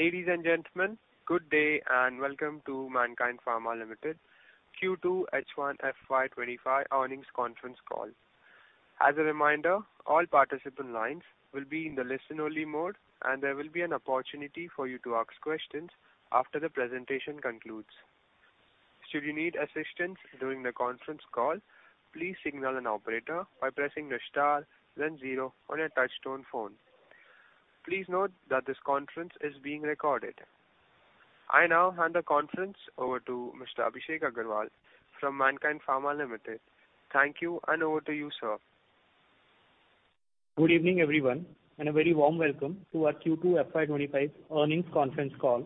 Ladies and gentlemen, good day and welcome to Mankind Pharma's Q2 H1 FY25 earnings conference call. As a reminder, all participant lines will be in the listen-only mode, and there will be an opportunity for you to ask questions after the presentation concludes. Should you need assistance during the conference call, please signal an operator by pressing the star, then zero on your touch-tone phone. Please note that this conference is being recorded. I now hand the conference over to Mr. Abhishek Agarwal from Mankind Pharma. Thank you, and over to you, sir. Good evening, everyone, and a very warm welcome to our Q2FY25 earnings conference call.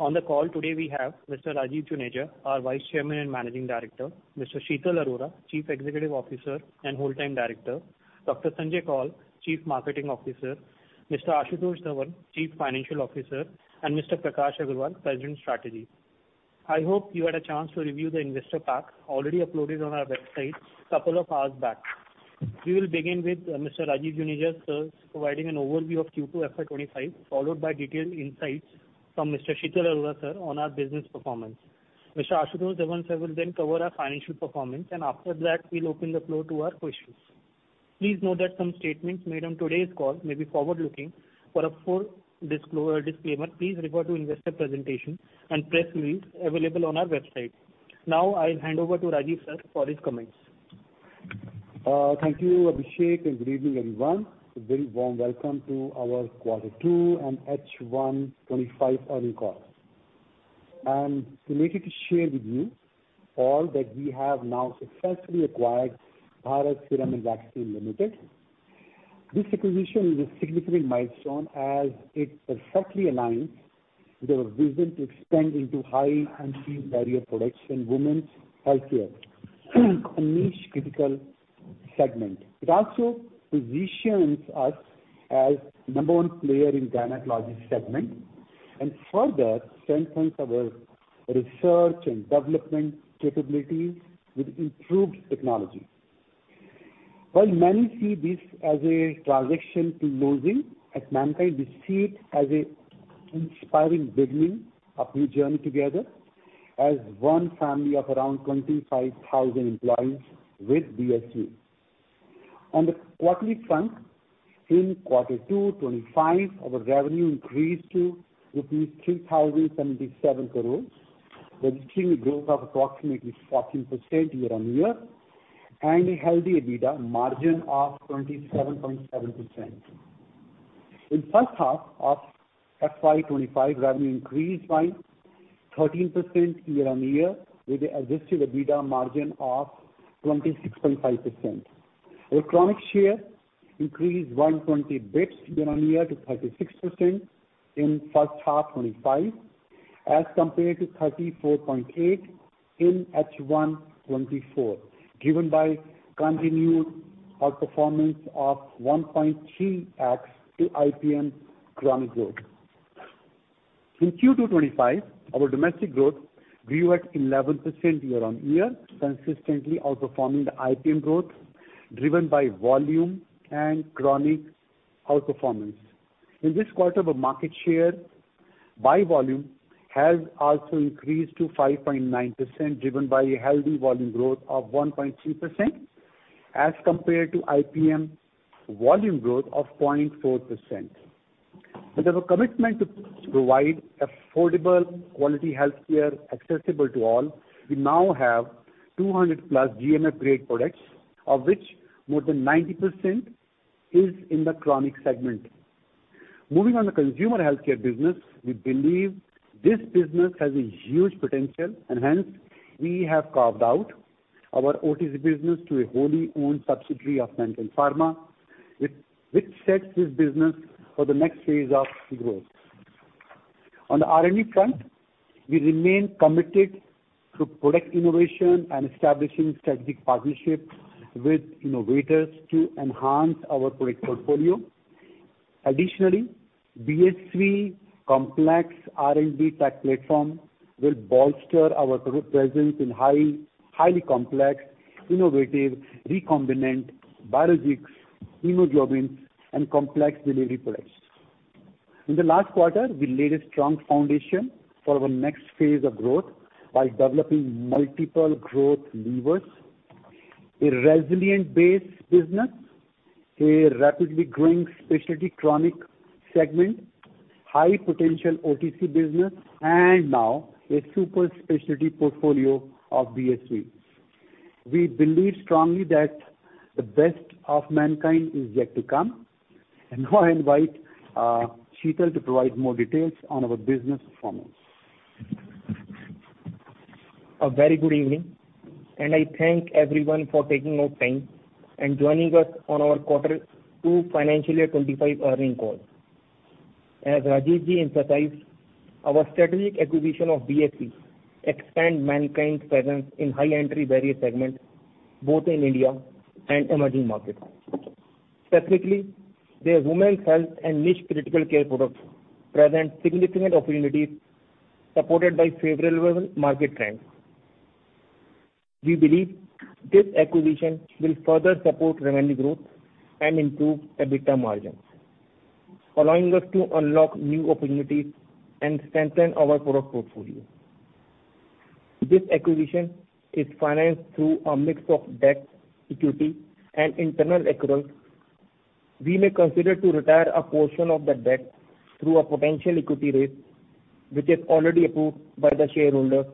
On the call today, we have Mr. Rajeev Juneja, our Vice Chairman and Managing Director, Mr. Sheetal Arora, Chief Executive Officer and Whole Time Director, Dr. Sanjay Koul, Chief Marketing Officer, Mr. Ashutosh Dhawan, Chief Financial Officer, and Mr. Prakash Agarwal, President Strategy. I hope you had a chance to review the investor pack already uploaded on our website a couple of hours back. We will begin with Mr. Rajeev Juneja, sir, providing an overview of Q2FY25, followed by detailed insights from Mr. Sheetal Arora, sir, on our business performance. Mr. Ashutosh Dhawan, sir, will then cover our financial performance, and after that, we'll open the floor to our questions. Please note that some statements made on today's call may be forward-looking. For a full disclaimer, please refer to the investor presentation and press release available on our website. Now, I'll hand over to Rajeev, sir, for his comments. Thank you, Abhishek, and good evening, everyone. A very warm welcome to our Quarter Two and H1 25 earnings call. I'm delighted to share with you all that we have now successfully acquired Bharat Serums and Vaccines Limited. This acquisition is a significant milestone as it perfectly aligns with our vision to expand into high-entry barrier production, women's healthcare, a niche critical segment. It also positions us as the number one player in the gynecology segment and further strengthens our research and development capabilities with improved technology. While many see this as a transition to biosimilars at Mankind, we see it as an inspiring beginning of a new journey together as one family of around 25,000 employees with BSV. On the quarterly front, in Quarter Two 25, our revenue increased to rupees 3,077 crore, registering a growth of approximately 14% year on year and a healthy EBITDA margin of 27.7%. In the first half of FY 2025, revenue increased by 13% year on year with an adjusted EBITDA margin of 26.5%. Our chronic share increased 120 basis points year on year to 36% in the first half of FY 2025 as compared to 34.8% in H1 2024, driven by continued outperformance of 1.3x to IPM chronic growth. In Q2 2025, our domestic growth grew at 11% year on year, consistently outperforming the IPM growth driven by volume and chronic outperformance. In this quarter, our market share by volume has also increased to 5.9%, driven by a healthy volume growth of 1.3% as compared to IPM volume growth of 0.4%. With our commitment to provide affordable quality healthcare accessible to all, we now have 200 plus GMP grade products, of which more than 90% is in the chronic segment. Moving on the consumer healthcare business, we believe this business has a huge potential, and hence we have carved out our OTC business to a wholly owned subsidiary of Mankind Pharma, which sets this business for the next phase of growth. On the R&D front, we remain committed to product innovation and establishing strategic partnerships with innovators to enhance our product portfolio. Additionally, BSV Complex R&D tech platform will bolster our product presence in highly complex, innovative, recombinant biologics, hemoglobin, and complex delivery products. In the last quarter, we laid a strong foundation for our next phase of growth by developing multiple growth levers, a resilient base business, a rapidly growing specialty chronic segment, high potential OTC business, and now a super specialty portfolio of BSV. We believe strongly that the best of Mankind is yet to come, and now I invite Sheetal to provide more details on our business performance. A very good evening, and I thank everyone for taking your time and joining us on our Quarter Two Financial Year 25 earnings call. As Rajeev Ji emphasized, our strategic acquisition of BSV expands Mankind's presence in high-entry barrier segments, both in India and emerging markets. Specifically, their women's health and niche critical care products present significant opportunities supported by favorable market trends. We believe this acquisition will further support revenue growth and improve EBITDA margins, allowing us to unlock new opportunities and strengthen our product portfolio. This acquisition is financed through a mix of debt, equity, and internal accrual. We may consider retiring a portion of the debt through a potential equity raise, which is already approved by the shareholders,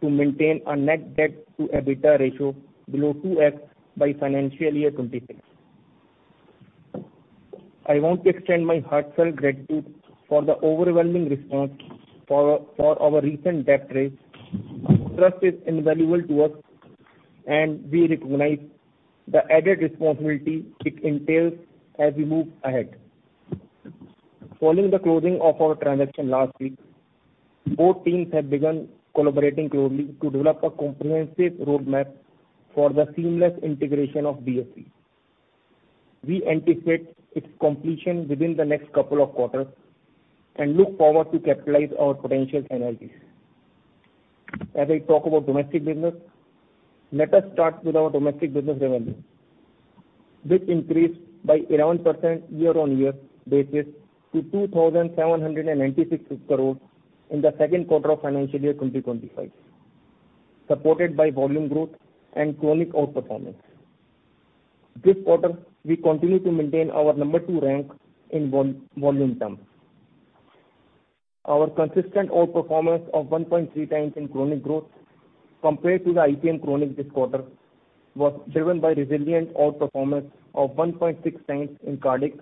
to maintain a net debt-to-EBITDA ratio below 2x by Financial Year 26. I want to extend my heartfelt gratitude for the overwhelming response for our recent debt raise. Trust is invaluable to us, and we recognize the added responsibility it entails as we move ahead. Following the closing of our transaction last week, both teams have begun collaborating closely to develop a comprehensive roadmap for the seamless integration of BSV. We anticipate its completion within the next couple of quarters and look forward to capitalize our potential synergies. As I talk about domestic business, let us start with our domestic business revenue, which increased by 11% year-on-year basis to 2,796 crore in the second quarter of Financial Year 2025, supported by volume growth and chronic outperformance. This quarter, we continue to maintain our number two rank in volume terms. Our consistent outperformance of 1.3 times in chronic growth compared to the IPM chronic this quarter was driven by resilient outperformance of 1.6 times in cardiac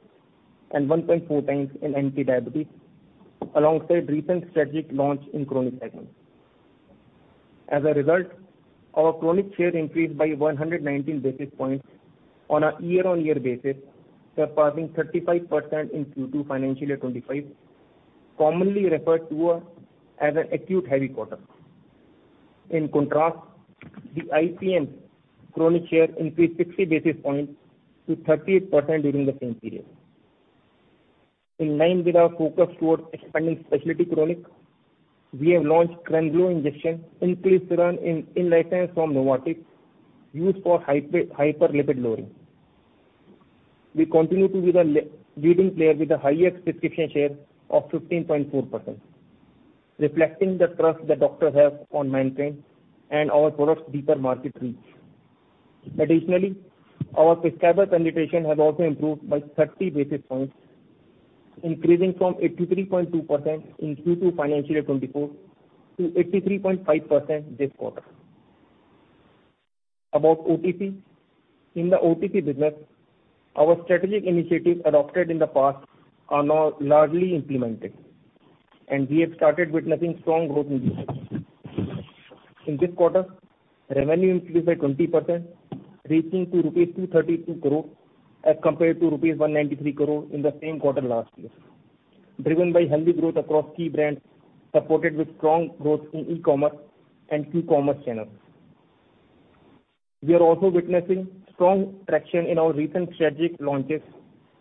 and 1.4 times in anti-diabetes, alongside recent strategic launch in chronic segments. As a result, our chronic share increased by 119 basis points on a year-on-year basis, surpassing 35% in Q2 Financial Year 25, commonly referred to as an acute heavy quarter. In contrast, the IPM chronic share increased 60 basis points to 38% during the same period. In line with our focus towards expanding specialty chronic, we have launched Inclisiran injection in-licensed from Novartis used for hyperlipidemia. We continue to be the leading player with the highest prescription share of 15.4%, reflecting the trust that doctors have on Mankind and our products' deeper market reach. Additionally, our prescriber penetration has also improved by 30 basis points, increasing from 83.2% in Q2 Financial Year 24 to 83.5% this quarter. About OTC, in the OTC business, our strategic initiatives adopted in the past are now largely implemented, and we have started witnessing strong growth in this quarter. In this quarter, revenue increased by 20%, reaching INR 232 crore as compared to INR 193 crore in the same quarter last year, driven by healthy growth across key brands supported with strong growth in e-commerce and Q-commerce channels. We are also witnessing strong traction in our recent strategic launches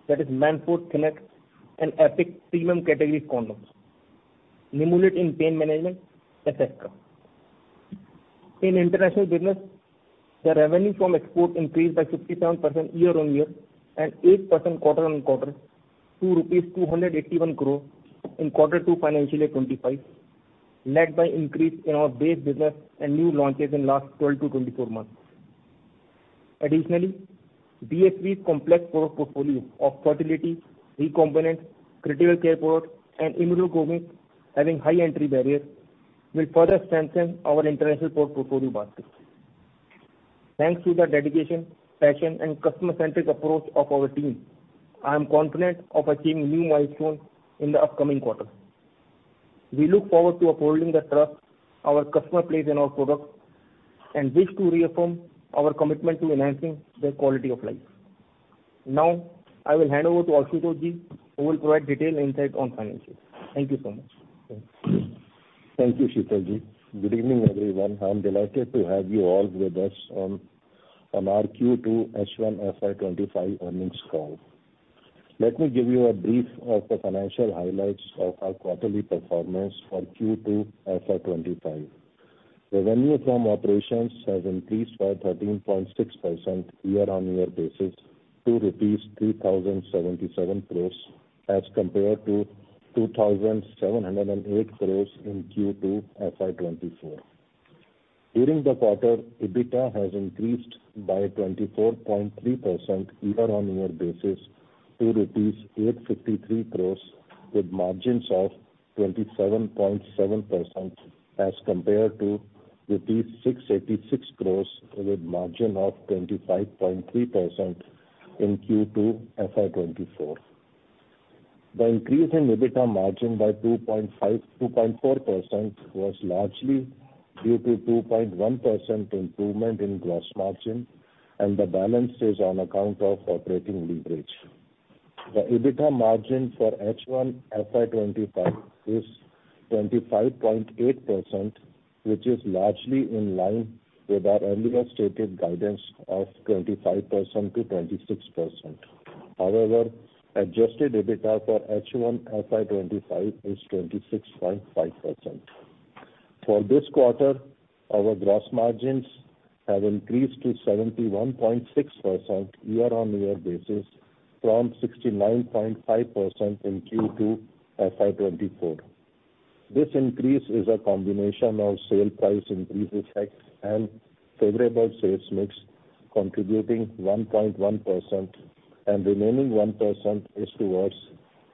that is Manforce, Kinex, and Epic premium category condoms, Nimulid in pain management, etc. In international business, the revenue from export increased by 57% year-on-year and 8% quarter-on-quarter to INR 281 crore in Q2 Financial Year 25, led by increase in our base business and new launches in the last 12 to 24 months. Additionally, BSV's complex product portfolio of fertility, recombinant, critical care products, and immunoglobulins having high entry barriers will further strengthen our international product portfolio basket. Thanks to the dedication, passion, and customer-centric approach of our team, I am confident of achieving new milestones in the upcoming quarter. We look forward to upholding the trust our customers place in our products and wish to reaffirm our commitment to enhancing their quality of life. Now, I will hand over to Ashutosh Ji, who will provide detailed insights on finances. Thank you so much. Thank you, Sheetal Ji. Good evening, everyone. I'm delighted to have you all with us on our Q2H1FY25 earnings call. Let me give you a brief of the financial highlights of our quarterly performance for Q2FY25. Revenue from operations has increased by 13.6% year-on-year basis to rupees 3,077 crore as compared to 2,708 crore in Q2FY24. During the quarter, EBITDA has increased by 24.3% year-on-year basis to rupees 853 crore, with margins of 27.7% as compared to 686 crore, with margin of 25.3% in Q2FY24. The increase in EBITDA margin by 2.5% to 2.4% was largely due to 2.1% improvement in gross margin, and the balance is on account of operating leverage. The EBITDA margin for H1 FY25 is 25.8%, which is largely in line with our earlier stated guidance of 25%-26%. However, adjusted EBITDA for H1 FY25 is 26.5%. For this quarter, our gross margins have increased to 71.6% year-on-year basis from 69.5% in Q2 FY24. This increase is a combination of sale price increases and favorable sales mix, contributing 1.1%, and remaining 1% is towards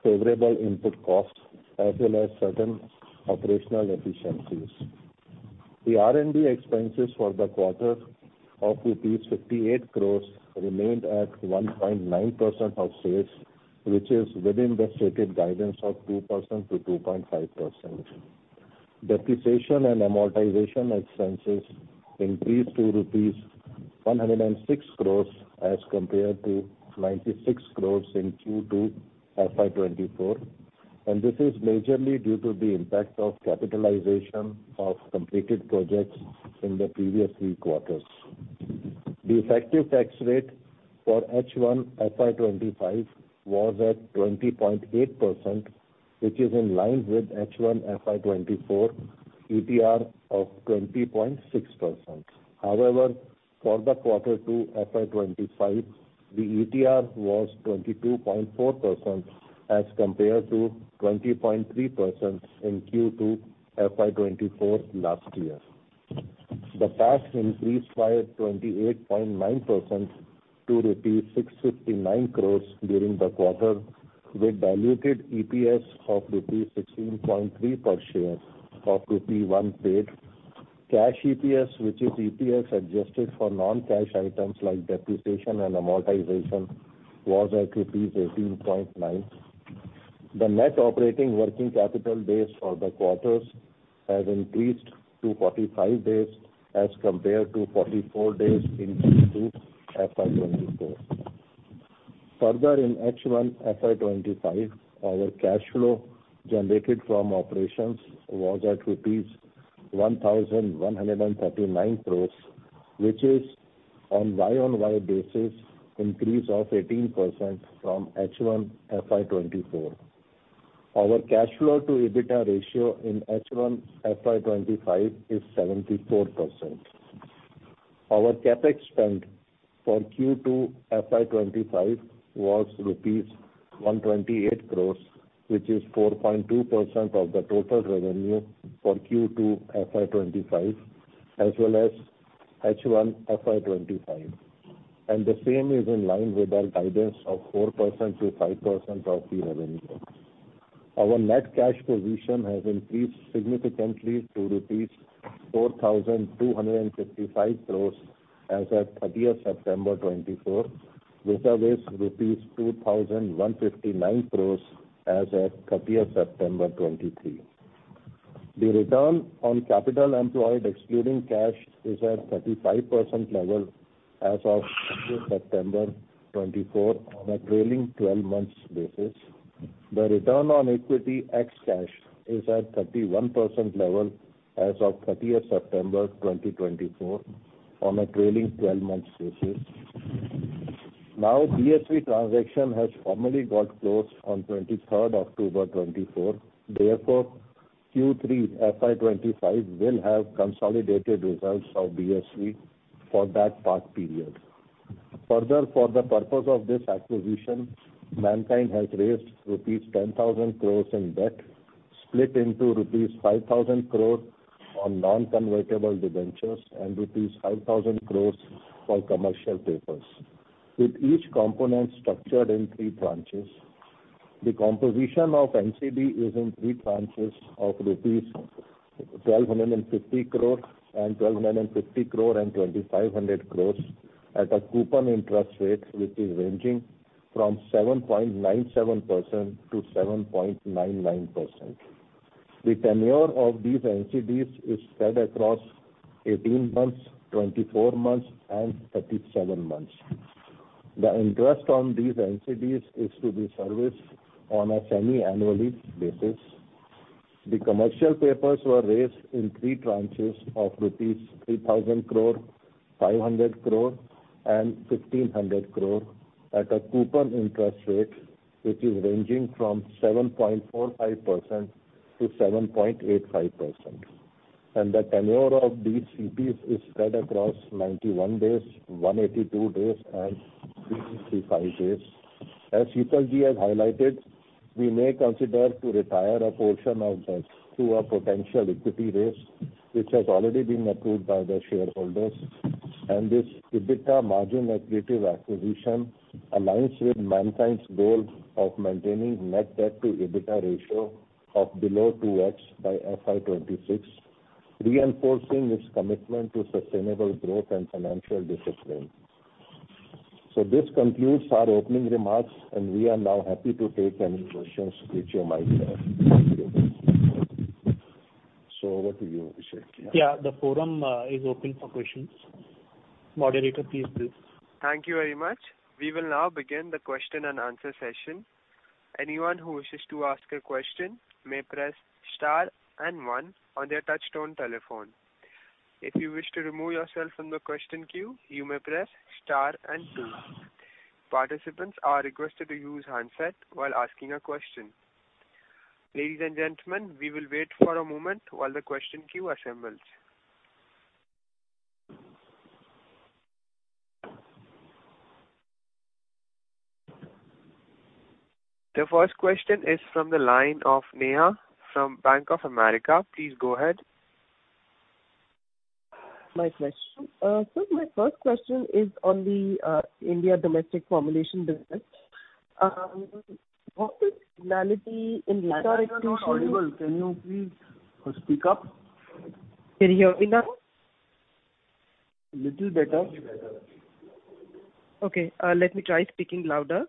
favorable input costs as well as certain operational efficiencies. The R&D expenses for the quarter of rupees 58 crore remained at 1.9% of sales, which is within the stated guidance of 2%-2.5%. Depreciation and amortization expenses increased to rupees 106 crore as compared to 96 crore in Q2 FY24, and this is majorly due to the impact of capitalization of completed projects in the previous three quarters. The effective tax rate for H1 FY25 was at 20.8%, which is in line with H1 FY24 ETR of 20.6%. However, for the Q2 FY25, the ETR was 22.4% as compared to 20.3% in Q2 FY24 last year. The PAT increased by 28.9% to rupees 659 crore during the quarter, with diluted EPS of rupees 16.3 per share of 1 paid. Cash EPS, which is EPS adjusted for non-cash items like depreciation and amortization, was at rupees 18.9. The net operating working capital base for the quarters has increased to 45 days as compared to 44 days in Q2 FY24. Further, in H1 FY25, our cash flow generated from operations was at rupees 1,139 crore, which is on Y-on-Y basis increase of 18% from H1 FY24. Our cash flow to EBITDA ratio in H1 FY25 is 74%. Our CapEx spend for Q2 FY25 was rupees 128 crore, which is 4.2% of the total revenue for Q2 FY25 as well as H1 FY25, and the same is in line with our guidance of 4%-5% of the revenue. Our net cash position has increased significantly to rupees 4,255 crore as of 30 September 2024, which is rupees 2,159 crore as of 30 September 2023. The return on capital employed excluding cash is at 35% level as of 30 September 2024 on a trailing 12 months basis. The return on equity ex cash is at 31% level as of 30 September 2024 on a trailing 12 months basis. Now, BSV transaction has formally got closed on 23 October 2024. Therefore, Q3 FY25 will have consolidated results of BSV for that partial period. Further, for the purpose of this acquisition, Mankind has raised rupees 10,000 crore in debt, split into rupees 5,000 crore on non-convertible debentures and rupees 5,000 crore for commercial papers. With each component structured in three tranches, the composition of NCD is in three tranches of rupees 1,250 crore and 1,250 crore and INR. 2,500 crore at a coupon interest rate, which is ranging from 7.97%-7.99%. The tenure of these NCDs is spread across 18 months, 24 months, and 37 months. The interest on these NCDs is to be serviced on a semi-annually basis. The commercial papers were raised in three tranches of rupees 3,000 crore, 500 crore, and 1,500 crore at a coupon interest rate, which is ranging from 7.45%-7.85%, and the tenure of these CPs is spread across 91 days, 182 days, and 365 days. As Sheetal Ji has highlighted, we may consider retiring a portion of them through a potential equity raise, which has already been approved by the shareholders, and this EBITDA margin equity acquisition aligns with Mankind's goal of maintaining net debt-to-EBITDA ratio of below 2x by FY26, reinforcing its commitment to sustainable growth and financial discipline. So this concludes our opening remarks, and we are now happy to take any questions which you might have. Thank you. So over to you, Sheetal. Yeah, the forum is open for questions. Moderator, please do. Thank you very much. We will now begin the question and answer session. Anyone who wishes to ask a question may press star and one on their touch-tone telephone. If you wish to remove yourself from the question queue, you may press star and two. Participants are requested to use handset while asking a question. Ladies and gentlemen, we will wait for a moment while the question queue assembles. The first question is from the line of Neha from Bank of America. Please go ahead. My question. So my first question is on the India domestic formulation business. What is finality in? Sorry, sorry, can you please speak up? Can you hear me now? A little better. Okay. Let me try speaking louder.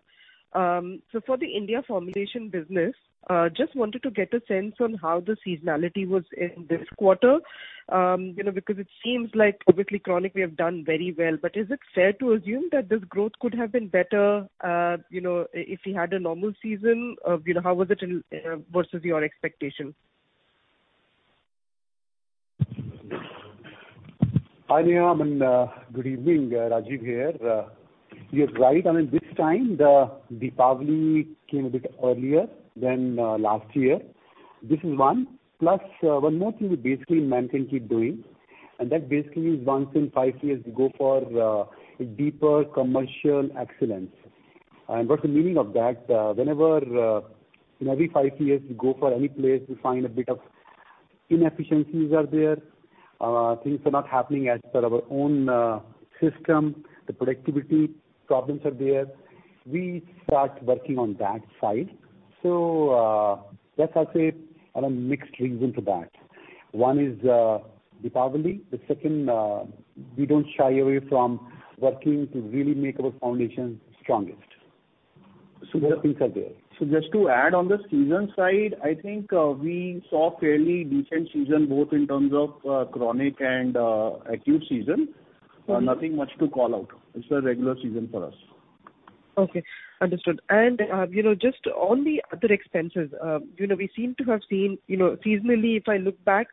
So for the India formulation business, just wanted to get a sense on how the seasonality was in this quarter because it seems like obviously chronic we have done very well. But is it fair to assume that this growth could have been better if we had a normal season? How was it versus your expectation? Hi, Neha and good evening. Rajeev here. You're right. I mean, this time the deep evaluation came a bit earlier than last year. This is one. Plus, one more thing we basically Mankind keep doing, and that basically is once in five years we go for deeper commercial excellence, and what's the meaning of that? Whenever in every five years we go for any place, we find a bit of inefficiencies are there. Things are not happening as per our own system. The productivity problems are there. We start working on that side. So that's I'd say a mixed reason for that. One is deep evaluation. The second, we don't shy away from working to really make our foundation strongest. So those things are there. So just to add on the seasonal side, I think we saw fairly decent seasonal both in terms of chronic and acute seasonal. Nothing much to call out. It's a regular seasonal for us. Okay. Understood. And just on the other expenses, we seem to have seen seasonally, if I look back,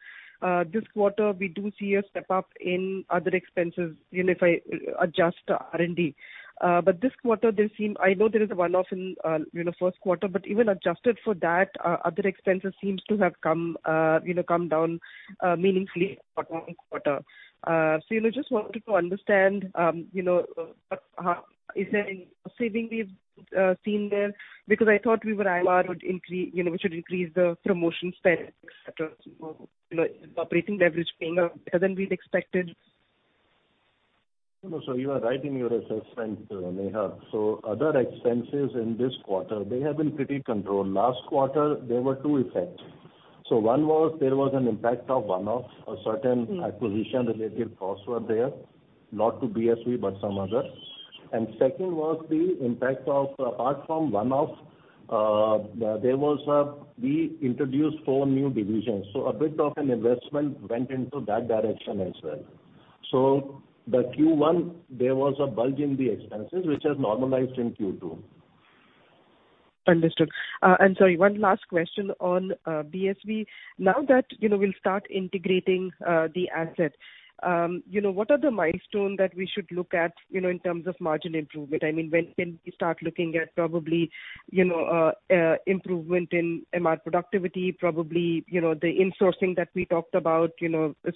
this quarter we do see a step up in other expenses if I adjust R&D. But this quarter, I know there is a one-off in first quarter, but even adjusted for that, other expenses seems to have come down meaningfully in the quarter one. So just wanted to understand, is there any saving we've seen there? Because I thought we were aiming we should increase the promotion spend, etc., operating leverage being better than we expected. So you are right in your assessment, Neha. So other expenses in this quarter, they have been pretty controlled. Last quarter, there were two effects. So one was there was an impact of one-off, a certain acquisition-related costs were there, not to BSV but some other. And second was the impact of apart from one-off, there was a we introduced four new divisions. So the Q1, there was a bulge in the expenses, which has normalized in Q2. Understood, and sorry, one last question on BSV. Now that we'll start integrating the asset, what are the milestones that we should look at in terms of margin improvement? I mean, when can we start looking at probably improvement in MR productivity, probably the insourcing that we talked about,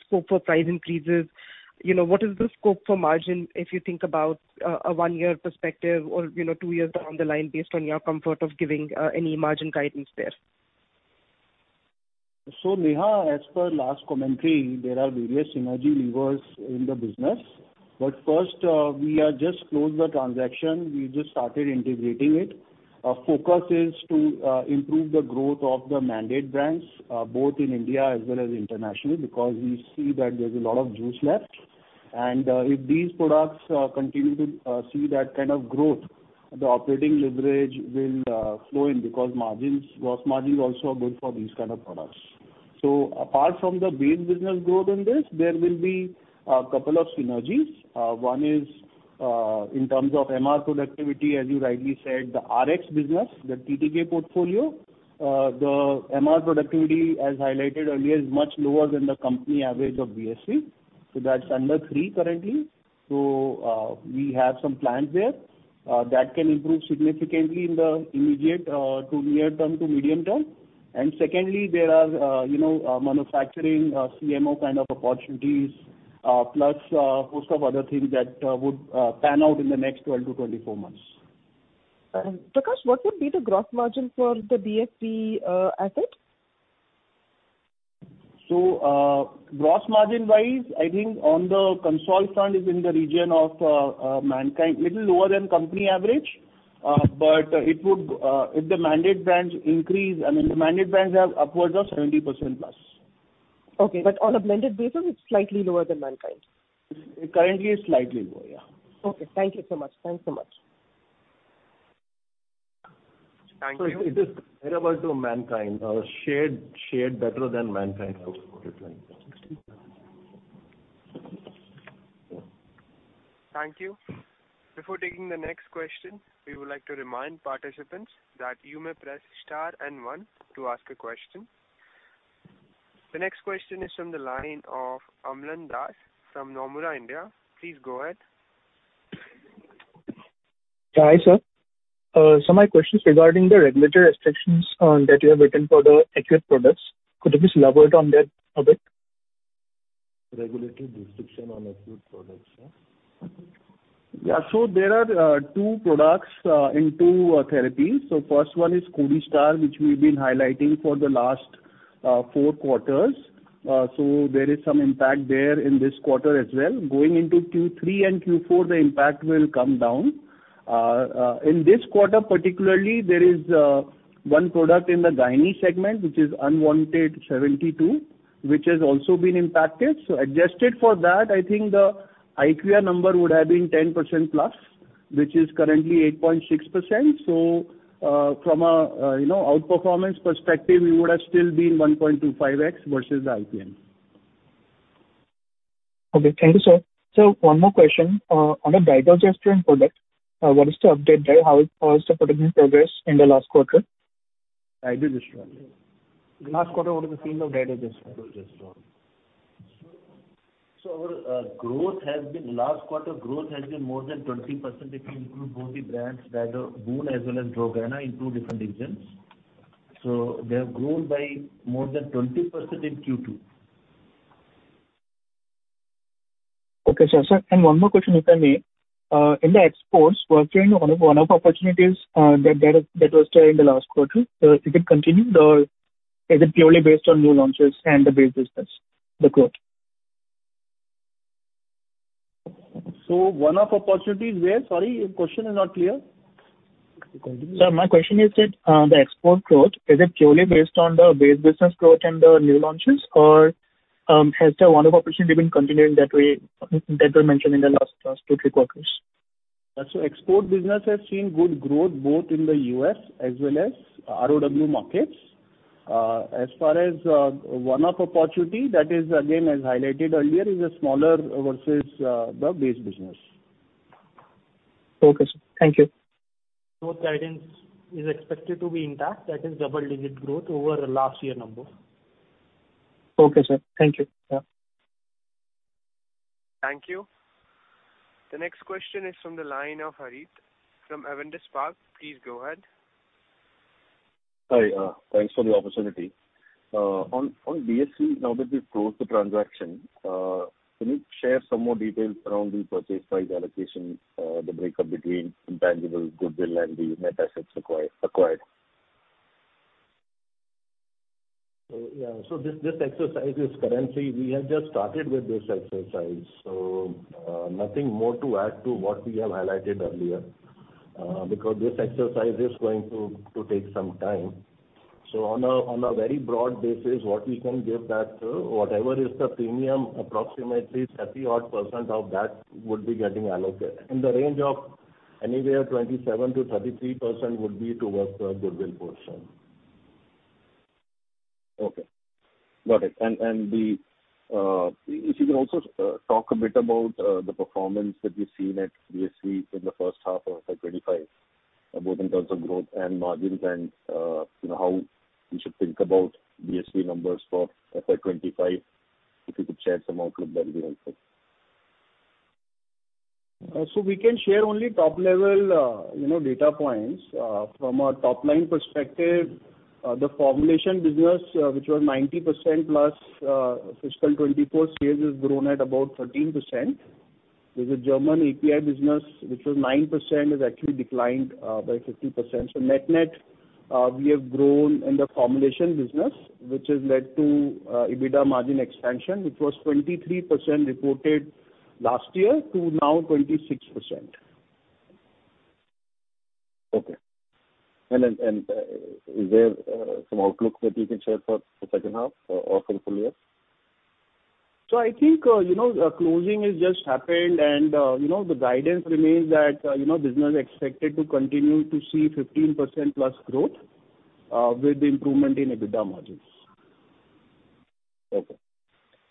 scope for price increases? What is the scope for margin if you think about a one-year perspective or two years down the line based on your comfort of giving any margin guidance there? So Neha, as per last commentary, there are various synergy levers in the business. But first, we are just closed the transaction. We just started integrating it. Our focus is to improve the growth of the mandate brands both in India as well as internationally because we see that there's a lot of juice left. And if these products continue to see that kind of growth, the operating leverage will flow in because gross margins also are good for these kind of products. So apart from the base business growth in this, there will be a couple of synergies. One is in terms of MR productivity, as you rightly said, the RX business, the TTK portfolio. The MR productivity, as highlighted earlier, is much lower than the company average of BSV. So that's under three currently. We have some plans there that can improve significantly in the immediate to near-term to medium term. Secondly, there are manufacturing CMO kind of opportunities, plus a host of other things that would pan out in the next 12-24 months. Prakash, what would be the gross margin for the BSV asset? So gross margin-wise, I think on the consolidation is in the region of Mankind, a little lower than company average. But if the mandate brands increase, I mean, the mandate brands have upwards of 70% plus. Okay, but on a blended basis, it's slightly lower than Mankind? Currently, it's slightly lower, yeah. Okay. Thank you so much. Thanks so much. Thank you. Comparable to Mankind, shared better than Mankind. Thank you. Before taking the next question, we would like to remind participants that you may press star and one to ask a question. The next question is from the line of Amlan Das from Nomura, India. Please go ahead. Hi sir. So my question is regarding the regulatory restrictions that you have written for the acute products. Could you please elaborate on that a bit? Regulatory restriction on acute products, yeah? Yeah. So there are two products in two therapies. So first one is Codistar, which we've been highlighting for the last four quarters. So there is some impact there in this quarter as well. Going into Q3 and Q4, the impact will come down. In this quarter particularly, there is one product in the gyne segment, which is Unwanted-72, which has also been impacted. So adjusted for that, I think the IPM number would have been 10% plus, which is currently 8.6%. So from an outperformance perspective, we would have still been 1.25x versus the IPM. Okay. Thank you, sir. So one more question. On the Dydrogesterone product, what is the update there? How is the production progress in the last quarter? Last quarter, what was the feel of Dydrogesterone? So our growth last quarter has been more than 20%. If you include both the brands, Dydroboon as well as Dydrogana into different regions, so they have grown by more than 20% in Q2. Okay, sir. And one more question, if I may. In the exports, were there any one-off opportunities that were there in the last quarter? So if it continued, or is it purely based on new launches and the base business, the growth? So one-off opportunities where? Sorry, your question is not clear. Sir, my question is that the export growth, is it purely based on the base business growth and the new launches, or has the one-off opportunity been continuing that we mentioned in the last two to three quarters? So export business has seen good growth both in the U.S. as well as ROW markets. As far as one-off opportunity, that is, again, as highlighted earlier, is a smaller versus the base business. Okay, sir. Thank you. Growth guidance is expected to be intact. That is double-digit growth over last year number. Okay, sir. Thank you. Thank you. The next question is from the line of Harith from Avendus Spark. Please go ahead. Hi. Thanks for the opportunity. On BSV, now that we've closed the transaction, can you share some more details around the purchase price allocation, the breakup between intangible goodwill and the net assets acquired? Yeah. So this exercise is currently we have just started with this exercise. So nothing more to add to what we have highlighted earlier because this exercise is going to take some time. So on a very broad basis, what we can give that whatever is the premium, approximately 30-odd% of that would be getting allocated. In the range of anywhere 27%-33% would be towards the goodwill portion. Okay. Got it. And if you can also talk a bit about the performance that you've seen at BSV in the first half of FY25, both in terms of growth and margins and how we should think about BSV numbers for FY25. If you could share some outlook, that would be helpful. We can share only top-level data points. From a top-level perspective, the formulation business, which was 90% plus fiscal 2024, still has grown at about 13%. There's a German API business, which was 9%, has actually declined by 50%. Net-net, we have grown in the formulation business, which has led to EBITDA margin expansion, which was 23% reported last year to now 26%. Okay. And is there some outlook that you can share for the second half or for the full year? So I think closing has just happened, and the guidance remains that business is expected to continue to see 15% plus growth with the improvement in EBITDA margins. Okay.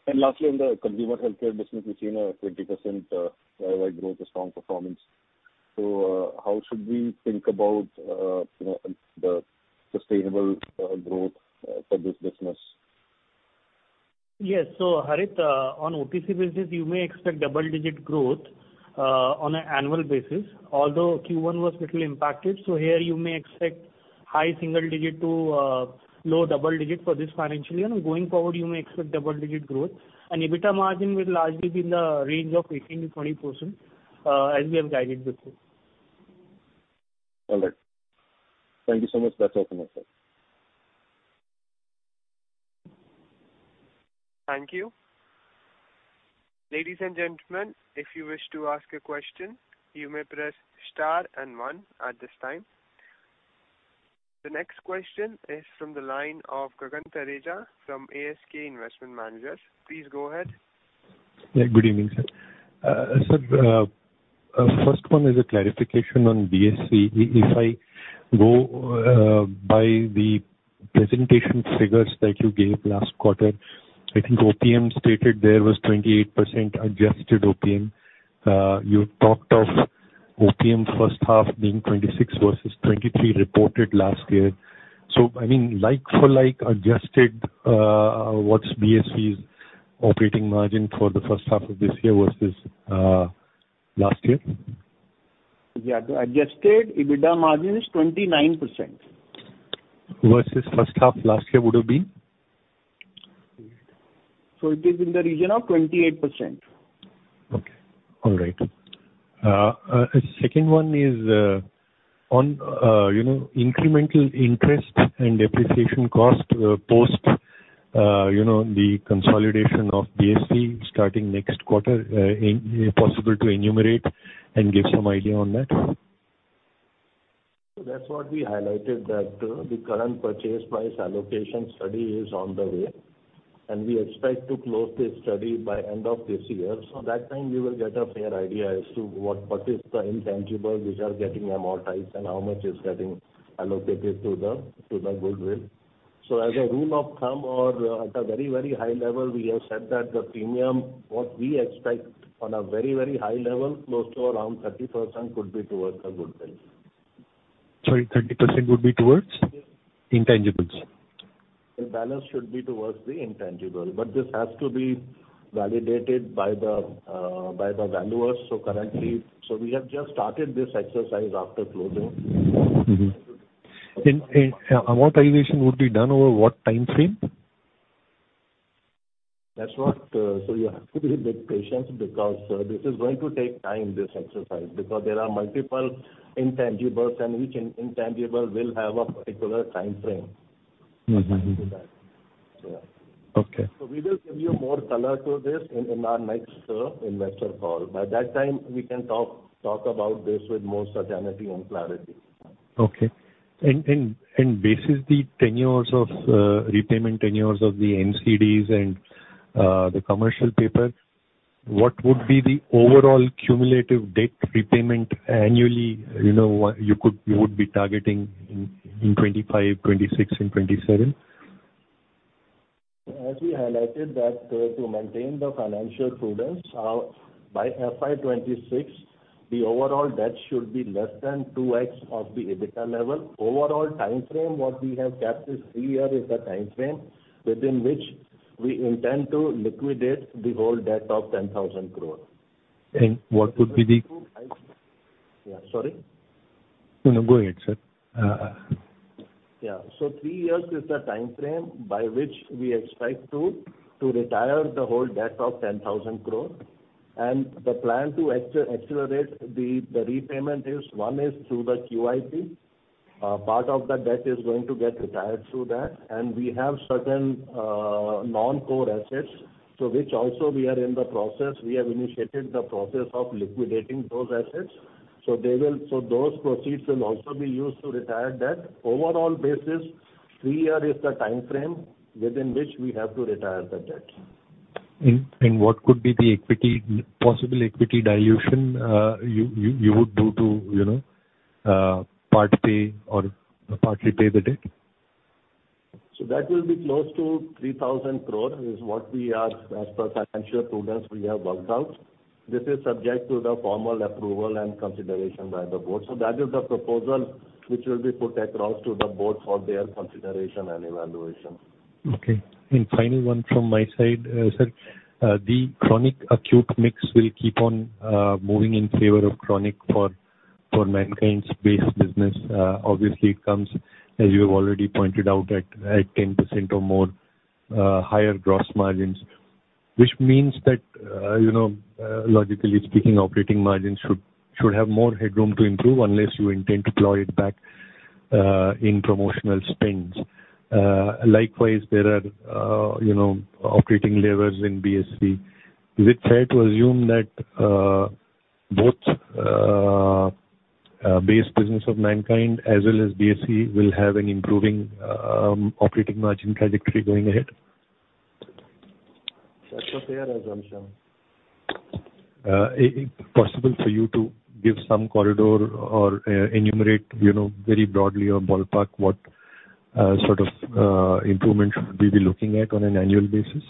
And lastly, on the consumer healthcare business, we've seen a 20% growth, a strong performance. So how should we think about the sustainable growth for this business? Yes. So Harith, on OTC basis, you may expect double-digit growth on an annual basis. Although Q1 was a bit impacted, so here you may expect high single-digit to low double-digit for this financial year. And going forward, you may expect double-digit growth. And EBITDA margin will largely be in the range of 18%-20% as we have guided before. All right. Thank you so much. That's all from me, sir. Thank you. Ladies and gentlemen, if you wish to ask a question, you may press star and one at this time. The next question is from the line of Gagan Thareja from ASK Investment Managers. Please go ahead. Yeah. Good evening, sir. Sir, first one is a clarification on BSV. If I go by the presentation figures that you gave last quarter, I think OPM stated there was 28% adjusted OPM. You talked of OPM first half being 26% versus 23% reported last year. So I mean, like-for-like adjusted, what's BSV's operating margin for the first half of this year versus last year? Yeah. The adjusted EBITDA margin is 29%. Versus first half last year would have been? It is in the region of 28%. Okay. All right. A second one is on incremental interest and depreciation cost post the consolidation of BSV starting next quarter, possible to enumerate and give some idea on that? That's what we highlighted, that the current purchase price allocation study is on the way. We expect to close this study by end of this year. That time, you will get a fair idea as to what is the intangible which are getting amortized and how much is getting allocated to the goodwill. As a rule of thumb, or at a very, very high level, we have said that the premium, what we expect on a very, very high level, close to around 30% could be towards the goodwill. Sorry, 30% would be towards? Yes. Intangibles? The balance should be towards the intangible. But this has to be validated by the valuers. So we have just started this exercise after closing. Amortization would be done over what time frame? That's what, so you have to be a bit patient because this is going to take time, this exercise, because there are multiple intangibles, and each intangible will have a particular time frame. Okay. So we will give you more color to this in our next investor call. By that time, we can talk about this with more certainty and clarity. Okay. And basis the 10 years of repayment, 10 years of the NCDs and the commercial paper, what would be the overall cumulative debt repayment annually you would be targeting in 2025, 2026, and 2027? As we highlighted, that to maintain the financial prudence, by FY26, the overall debt should be less than 2x of the EBITDA level. Overall time frame, what we have kept is three years is the time frame within which we intend to liquidate the whole debt of 10,000 crore. What would be the? Yeah. Sorry? No, no. Go ahead, sir. Yeah, so three years is the time frame by which we expect to retire the whole debt of 10,000 crore. And the plan to accelerate the repayment is. One is through the QIP. Part of the debt is going to get retired through that. And we have certain non-core assets, which also we are in the process. We have initiated the process of liquidating those assets. So those proceeds will also be used to retire that. Overall basis, three years is the time frame within which we have to retire the debt. What could be the possible equity dilution you would do to part pay or partially pay the debt? That will be close to 3,000 crore is what we have, as per financial prudence we have worked out. This is subject to the formal approval and consideration by the board. So that is the proposal which will be put across to the board for their consideration and evaluation. Okay. And final one from my side, sir, the chronic acute mix will keep on moving in favor of chronic for Mankind's base business. Obviously, it comes, as you have already pointed out, at 10% or more higher gross margins, which means that, logically speaking, operating margins should have more headroom to improve unless you intend to plow it back in promotional spends. Likewise, there are operating levers in BSV. Is it fair to assume that both base business of Mankind as well as BSV will have an improving operating margin trajectory going ahead? That's not fair, as I'm sure. Possible for you to give some color or enumerate very broadly or ballpark what sort of improvement we'll be looking at on an annual basis?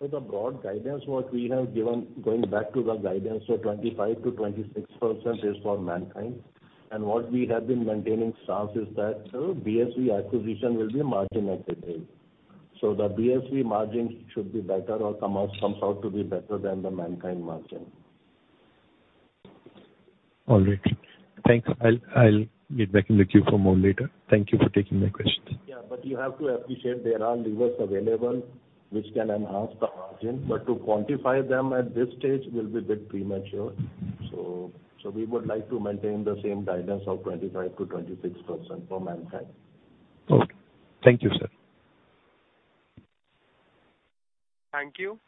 So the broad guidance, what we have given going back to the guidance, so 25%-26% is for Mankind. And what we have been maintaining stance is that BSV acquisition will be margin at the end. So the BSV margin should be better or comes out to be better than the Mankind margin. All right. Thanks. I'll get back in the queue for more later. Thank you for taking my questions. Yeah. But you have to appreciate there are levers available which can enhance the margin. But to quantify them at this stage will be a bit premature. So we would like to maintain the same guidance of 25%-26% for Mankind. Okay. Thank you, sir. Thank you.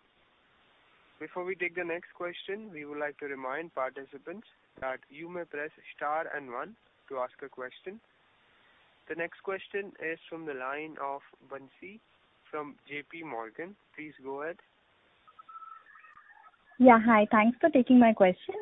Before we take the next question, we would like to remind participants that you may press star and one to ask a question. The next question is from the line of Bansi from J.P. Morgan. Please go ahead. Yeah. Hi. Thanks for taking my question.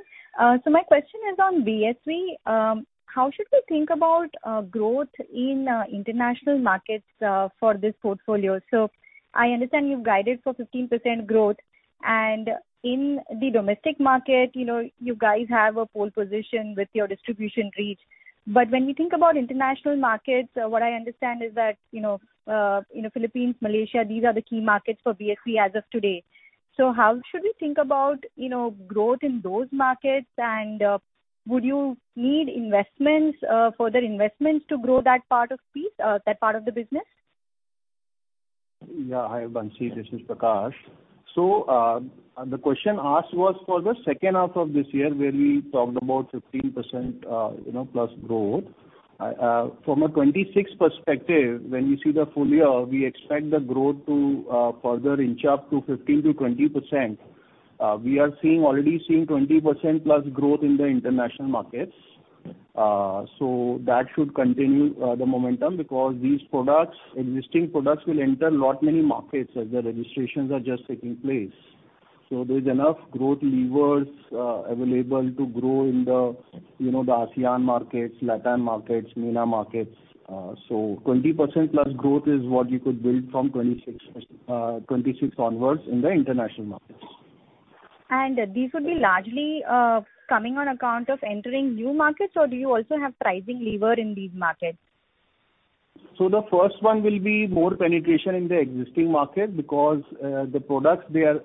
So my question is on BSV. How should we think about growth in international markets for this portfolio? So I understand you've guided for 15% growth. And in the domestic market, you guys have a pole position with your distribution reach. But when we think about international markets, what I understand is that in the Philippines, Malaysia, these are the key markets for BSV as of today. So how should we think about growth in those markets? And would you need further investments to grow that part of the business? Yeah. Hi, Bansi. This is Prakash. So the question asked was for the second half of this year where we talked about 15% plus growth. From a 26 perspective, when we see the full year, we expect the growth to further inch up to 15%-20%. We are already seeing 20% plus growth in the international markets. So that should continue the momentum because these existing products will enter a lot many markets as the registrations are just taking place. So there's enough growth levers available to grow in the ASEAN markets, LATAM markets, MENA markets. So 20% plus growth is what you could build from 26 onwards in the international markets. These would be largely coming on account of entering new markets, or do you also have pricing lever in these markets? So the first one will be more penetration in the existing market because the products they are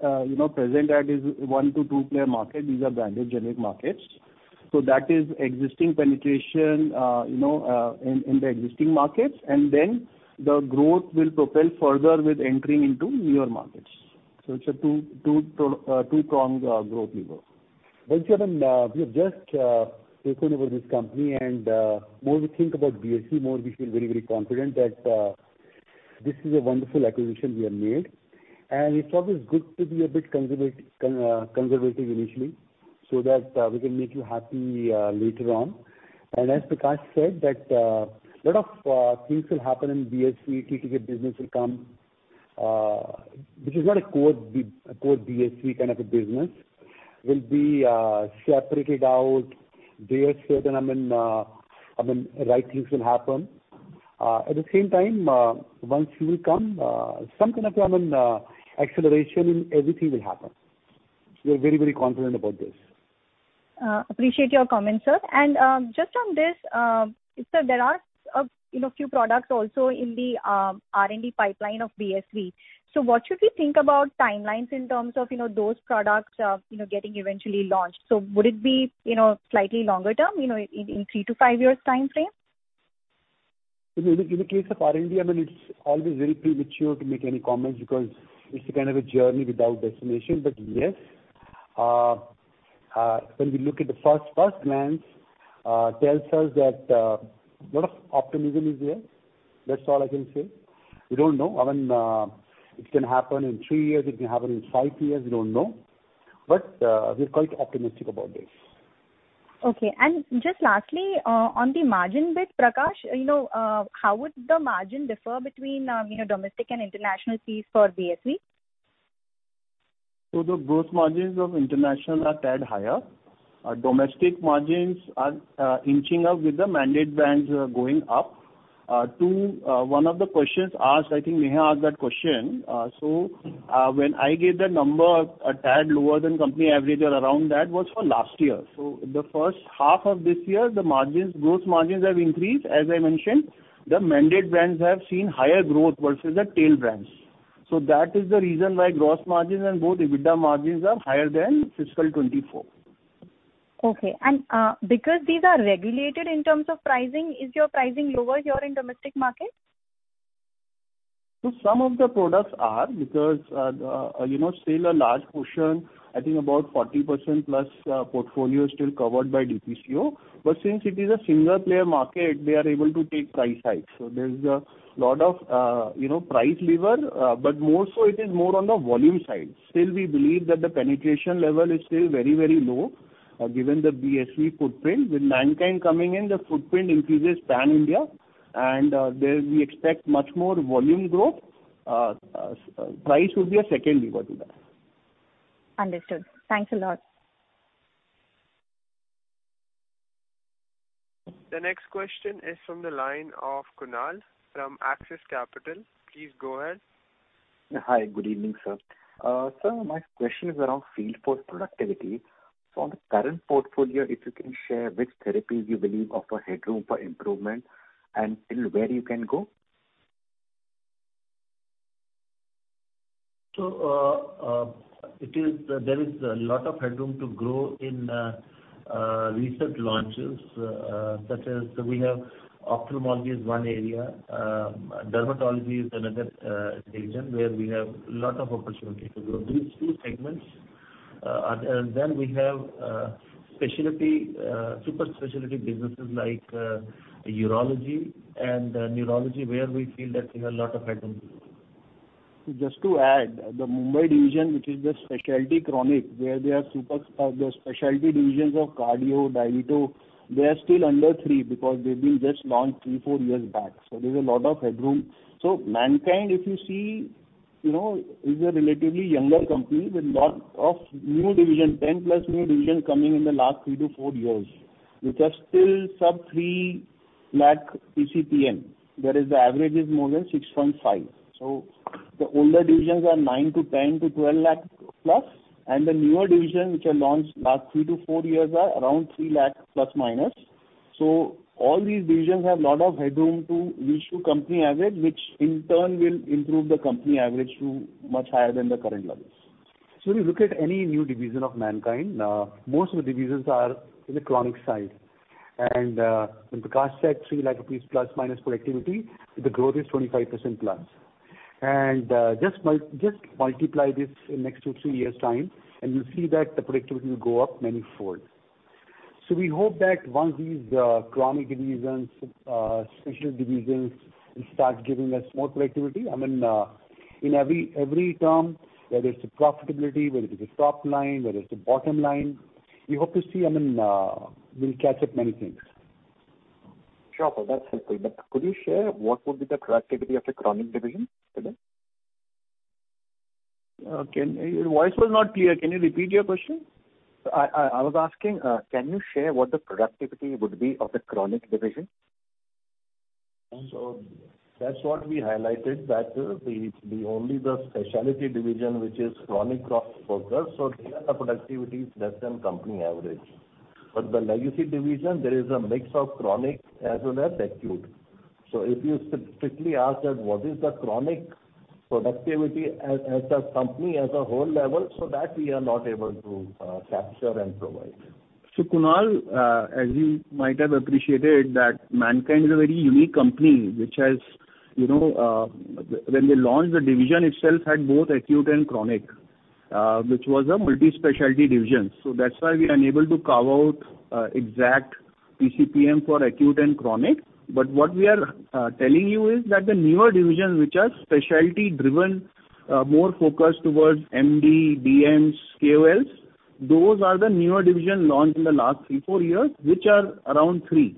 present at is one-to-two-player market. These are banded generic markets. So that is existing penetration in the existing markets. And then the growth will propel further with entering into newer markets. So it's a two-pronged growth lever. Sharon, we have just taken over this company, and the more we think about BSV, the more we feel very, very confident that this is a wonderful acquisition we have made. It's always good to be a bit conservative initially so that we can make you happy later on. As Prakash said, a lot of things will happen in BSV. TTK business will come, which is not a core BSV kind of a business, will be separated out. There are certain right things will happen. At the same time, once you will come, some kind of acceleration in everything will happen. We are very, very confident about this. Appreciate your comment, sir. And just on this, sir, there are a few products also in the R&D pipeline of BSV. So what should we think about timelines in terms of those products getting eventually launched? So would it be slightly longer term, in three-to-five years' time frame? In the case of R&D, I mean, it's always very premature to make any comments because it's a kind of a journey without destination. But yes, when we look at the first glance, it tells us that a lot of optimism is there. That's all I can say. We don't know. I mean, it can happen in three years. It can happen in five years. We don't know. But we're quite optimistic about this. Okay. And just lastly, on the margin bit, Prakash, how would the margin differ between domestic and international fees for BSV? So the gross margins of international are tied higher. Domestic margins are inching up with the mandate brands going up. One of the questions asked, I think Neha asked that question. So when I gave the number, tied lower than company average or around that was for last year. So the first half of this year, the gross margins have increased. As I mentioned, the mandate brands have seen higher growth versus the tail brands. So that is the reason why gross margins and both EBITDA margins are higher than fiscal 2024. Okay. And because these are regulated in terms of pricing, is your pricing lower here in domestic market? So some of the products are because still a large portion, I think about 40% plus portfolio is still covered by DPCO. But since it is a single-player market, they are able to take price hikes. So there's a lot of price lever, but more so it is more on the volume side. Still, we believe that the penetration level is still very, very low given the BSV footprint. With Mankind coming in, the footprint increases pan-India. And we expect much more volume growth. Price would be a second lever to that. Understood. Thanks a lot. The next question is from the line of Kunal from Axis Capital. Please go ahead. Hi. Good evening, sir. Sir, my question is around field force productivity. So on the current portfolio, if you can share which therapies you believe offer headroom for improvement and where you can go? So there is a lot of headroom to grow in respiratory launches. So we have ophthalmology is one area. Dermatology is another region where we have a lot of opportunity to grow. These two segments. And then we have super specialty businesses like urology and neurology where we feel that we have a lot of headroom. Just to add, the Mumbai division, which is the specialty chronic, where they are the specialty divisions of cardio, diabetes, they are still under three because they've been just launched three, four years back, so there's a lot of headroom, so Mankind, if you see, is a relatively younger company with a lot of new division, 10 plus new divisions coming in the last three to four years, which are still sub-3 lakh PCPM, whereas the average is more than 6.5, so the older divisions are 9 to 10 to 12 lakh plus, and the newer divisions, which are launched last three to four years, are around 3 lakh plus minus, so all these divisions have a lot of headroom to reach to company average, which in turn will improve the company average to much higher than the current levels. So if you look at any new division of Mankind, most of the divisions are in the chronic side. And when Prakash said 3 lakh plus minus productivity, the growth is 25% plus. And just multiply this in the next two, three years' time, and you'll see that the productivity will go up many fold. So we hope that once these chronic divisions, specialty divisions, start giving us more productivity, I mean, in every term, whether it's the profitability, whether it's the top line, whether it's the bottom line, we hope to see we'll catch up many things. Sure, so that's helpful, but could you share what would be the productivity of the chronic division today? Your voice was not clear. Can you repeat your question? I was asking, can you share what the productivity would be of the chronic division? So that's what we highlighted, that the only specialty division, which is chronic cross-focus, so their productivity is less than company average. But the legacy division, there is a mix of chronic as well as acute. So if you strictly ask that, what is the chronic productivity as a company as a whole level, so that we are not able to capture and provide. So Kunal, as you might have appreciated, that Mankind is a very unique company, which has when they launched, the division itself had both acute and chronic, which was a multi-specialty division. So that's why we are unable to carve out exact PCPM for acute and chronic. But what we are telling you is that the newer divisions, which are specialty-driven, more focused towards MD, DMs, KOLs, those are the newer divisions launched in the last three, four years, which are around three.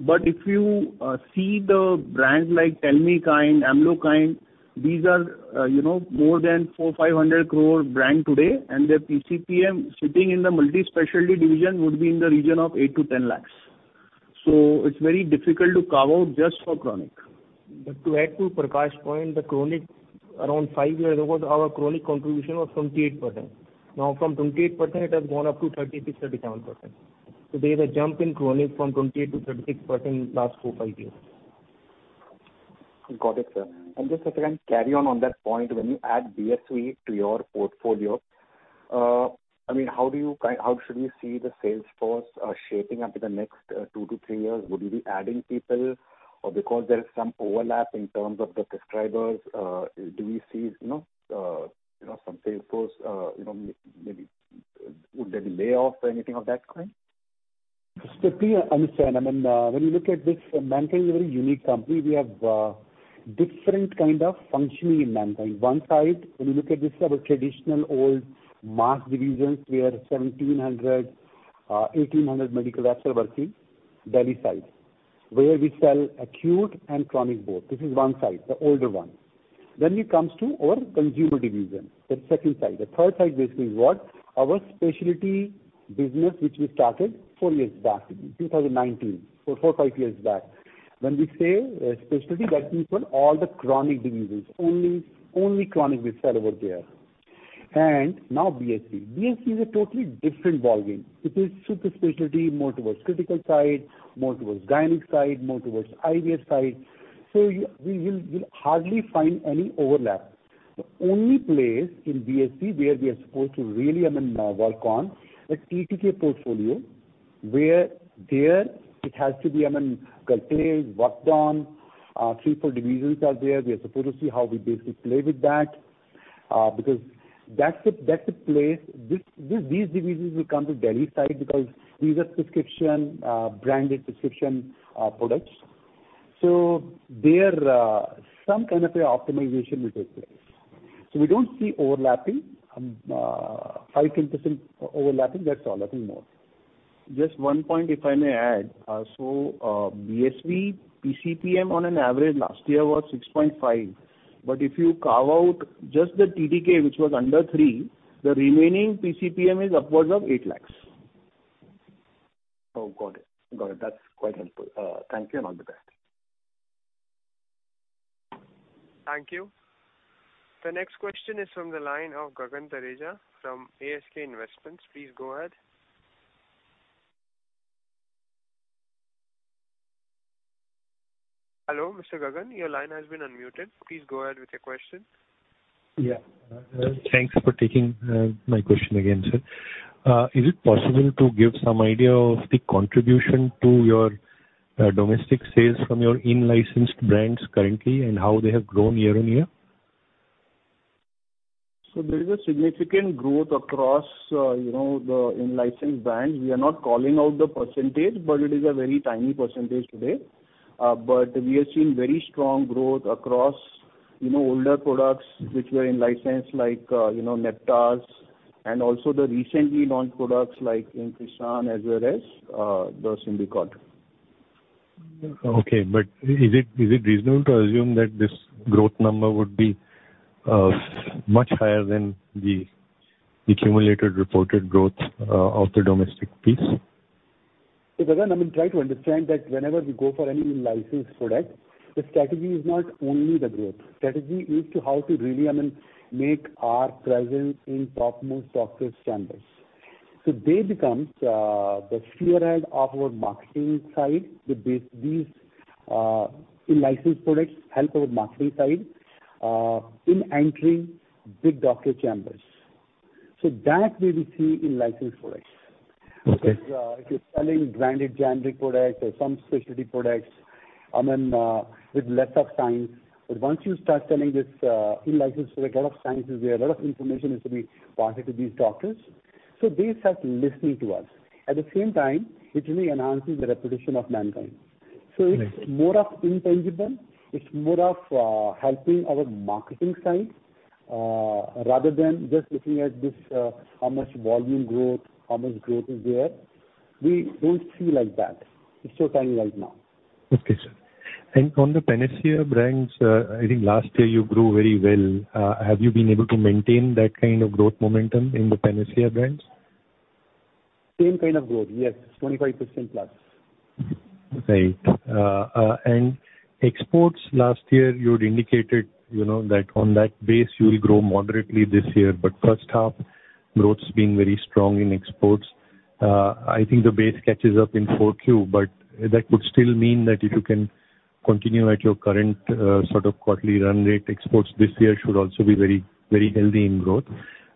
But if you see the brands like Telmikind, Amlokind, these are more than 4,500 crore brand today. And the PCPM sitting in the multi-specialty division would be in the region of 8-10 lakhs. So it's very difficult to carve out just for chronic. But to add to Prakash's point, the chronic, around five years ago, our chronic contribution was 28%. Now, from 28%, it has gone up to 36%-37%. So there is a jump in chronic from 28%-36% in the last four, five years. Got it, sir. And just a second, carry on on that point. When you add BSV to your portfolio, I mean, how should we see the sales force shaping up in the next two to three years? Would you be adding people, or because there is some overlap in terms of the prescribers, do we see some sales force maybe? Would there be layoffs or anything of that kind? Strictly, I understand. I mean, when you look at this, Mankind is a very unique company. We have different kinds of functioning in Mankind. One side, when you look at this, our traditional old mass divisions where 1,700, 1,800 medical reps are working, retail side, where we sell acute and chronic both. This is one side, the older one. Then it comes to our consumer division, the second side. The third side basically is what our specialty business, which we started four years back, 2019, four, five years back. When we say specialty, that means all the chronic divisions, only chronic we sell over there. And now BSV. BSV is a totally different ball game. It is super specialty, more towards critical side, more towards gynec side, more towards IVF side. So you'll hardly find any overlap. The only place in BSV where we are supposed to really work on is TTK portfolio, where there it has to be Cardiac, Urology, three, four divisions are there. We are supposed to see how we basically play with that because that's the place. These divisions will come to Delhi side because these are prescription, branded prescription products. So there's some kind of optimization which will take place. So we don't see overlapping, 5%-10% overlapping. That's all. Nothing more. Just one point if I may add. So BSV PCPM on an average last year was 6.5. But if you carve out just the TTK, which was under three, the remaining PCPM is upwards of eight lakhs. Oh, got it. Got it. That's quite helpful. Thank you and all the best. Thank you. The next question is from the line of Gagan Thareja from ASK Investment Managers. Please go ahead. Hello, Mr. Gagan. Your line has been unmuted. Please go ahead with your question. Yeah. Thanks for taking my question again, sir. Is it possible to give some idea of the contribution to your domestic sales from your in-licensed brands currently and how they have grown year on year? There is a significant growth across the in-licensed brands. We are not calling out the percentage, but it is a very tiny percentage today. We have seen very strong growth across older products which were in-licensed like Neptaz and also the recently launched products like Inclisiran as well as the Symbicort. Okay, but is it reasonable to assume that this growth number would be much higher than the accumulated reported growth of the domestic piece? So Gagan, I mean, try to understand that whenever we go for any in-licensed product, the strategy is not only the growth. Strategy is how to really, I mean, make our presence in top-most doctor chambers. So they become the spearhead of our marketing side. These in-licensed products help our marketing side in entering big doctor chambers. So that's where we see in-licensed products. If you're selling branded gynec products or some specialty products, I mean, with less of science. But once you start selling this in-licensed product, a lot of science is there. A lot of information is to be passed to these doctors. So they start listening to us. At the same time, it really enhances the reputation of Mankind. So it's more of intangible. It's more of helping our marketing side rather than just looking at how much volume growth, how much growth is there. We don't see like that. It's so tiny right now. Okay, sir. And on the penicillin brands, I think last year you grew very well. Have you been able to maintain that kind of growth momentum in the penicillin brands? Same kind of growth, yes. 25% plus. Right. And exports last year, you had indicated that on that base, you will grow moderately this year. But first half, growth has been very strong in exports. I think the base catches up in 4Q, but that would still mean that if you can continue at your current sort of quarterly run rate, exports this year should also be very healthy in growth.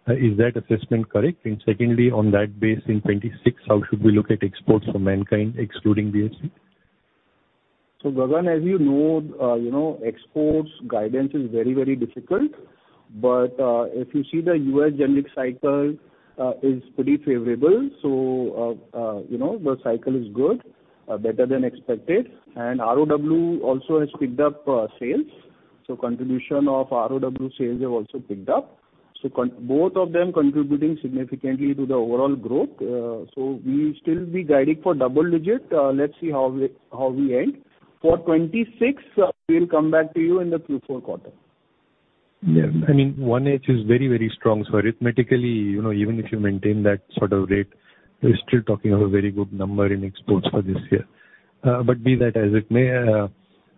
Is that assessment correct? And secondly, on that base, in 26, how should we look at exports for Mankind, excluding BSV? So Gagan, as you know, exports guidance is very, very difficult. But if you see the U.S. generic cycle is pretty favorable. So the cycle is good, better than expected. And ROW also has picked up sales. So contribution of ROW sales have also picked up. So both of them contributing significantly to the overall growth. So we still be guiding for double digit. Let's see how we end. For 26, we'll come back to you in the Q4 quarter. Yeah. I mean, 1H is very, very strong. So arithmetically, even if you maintain that sort of rate, we're still talking of a very good number in exports for this year. But be that as it may,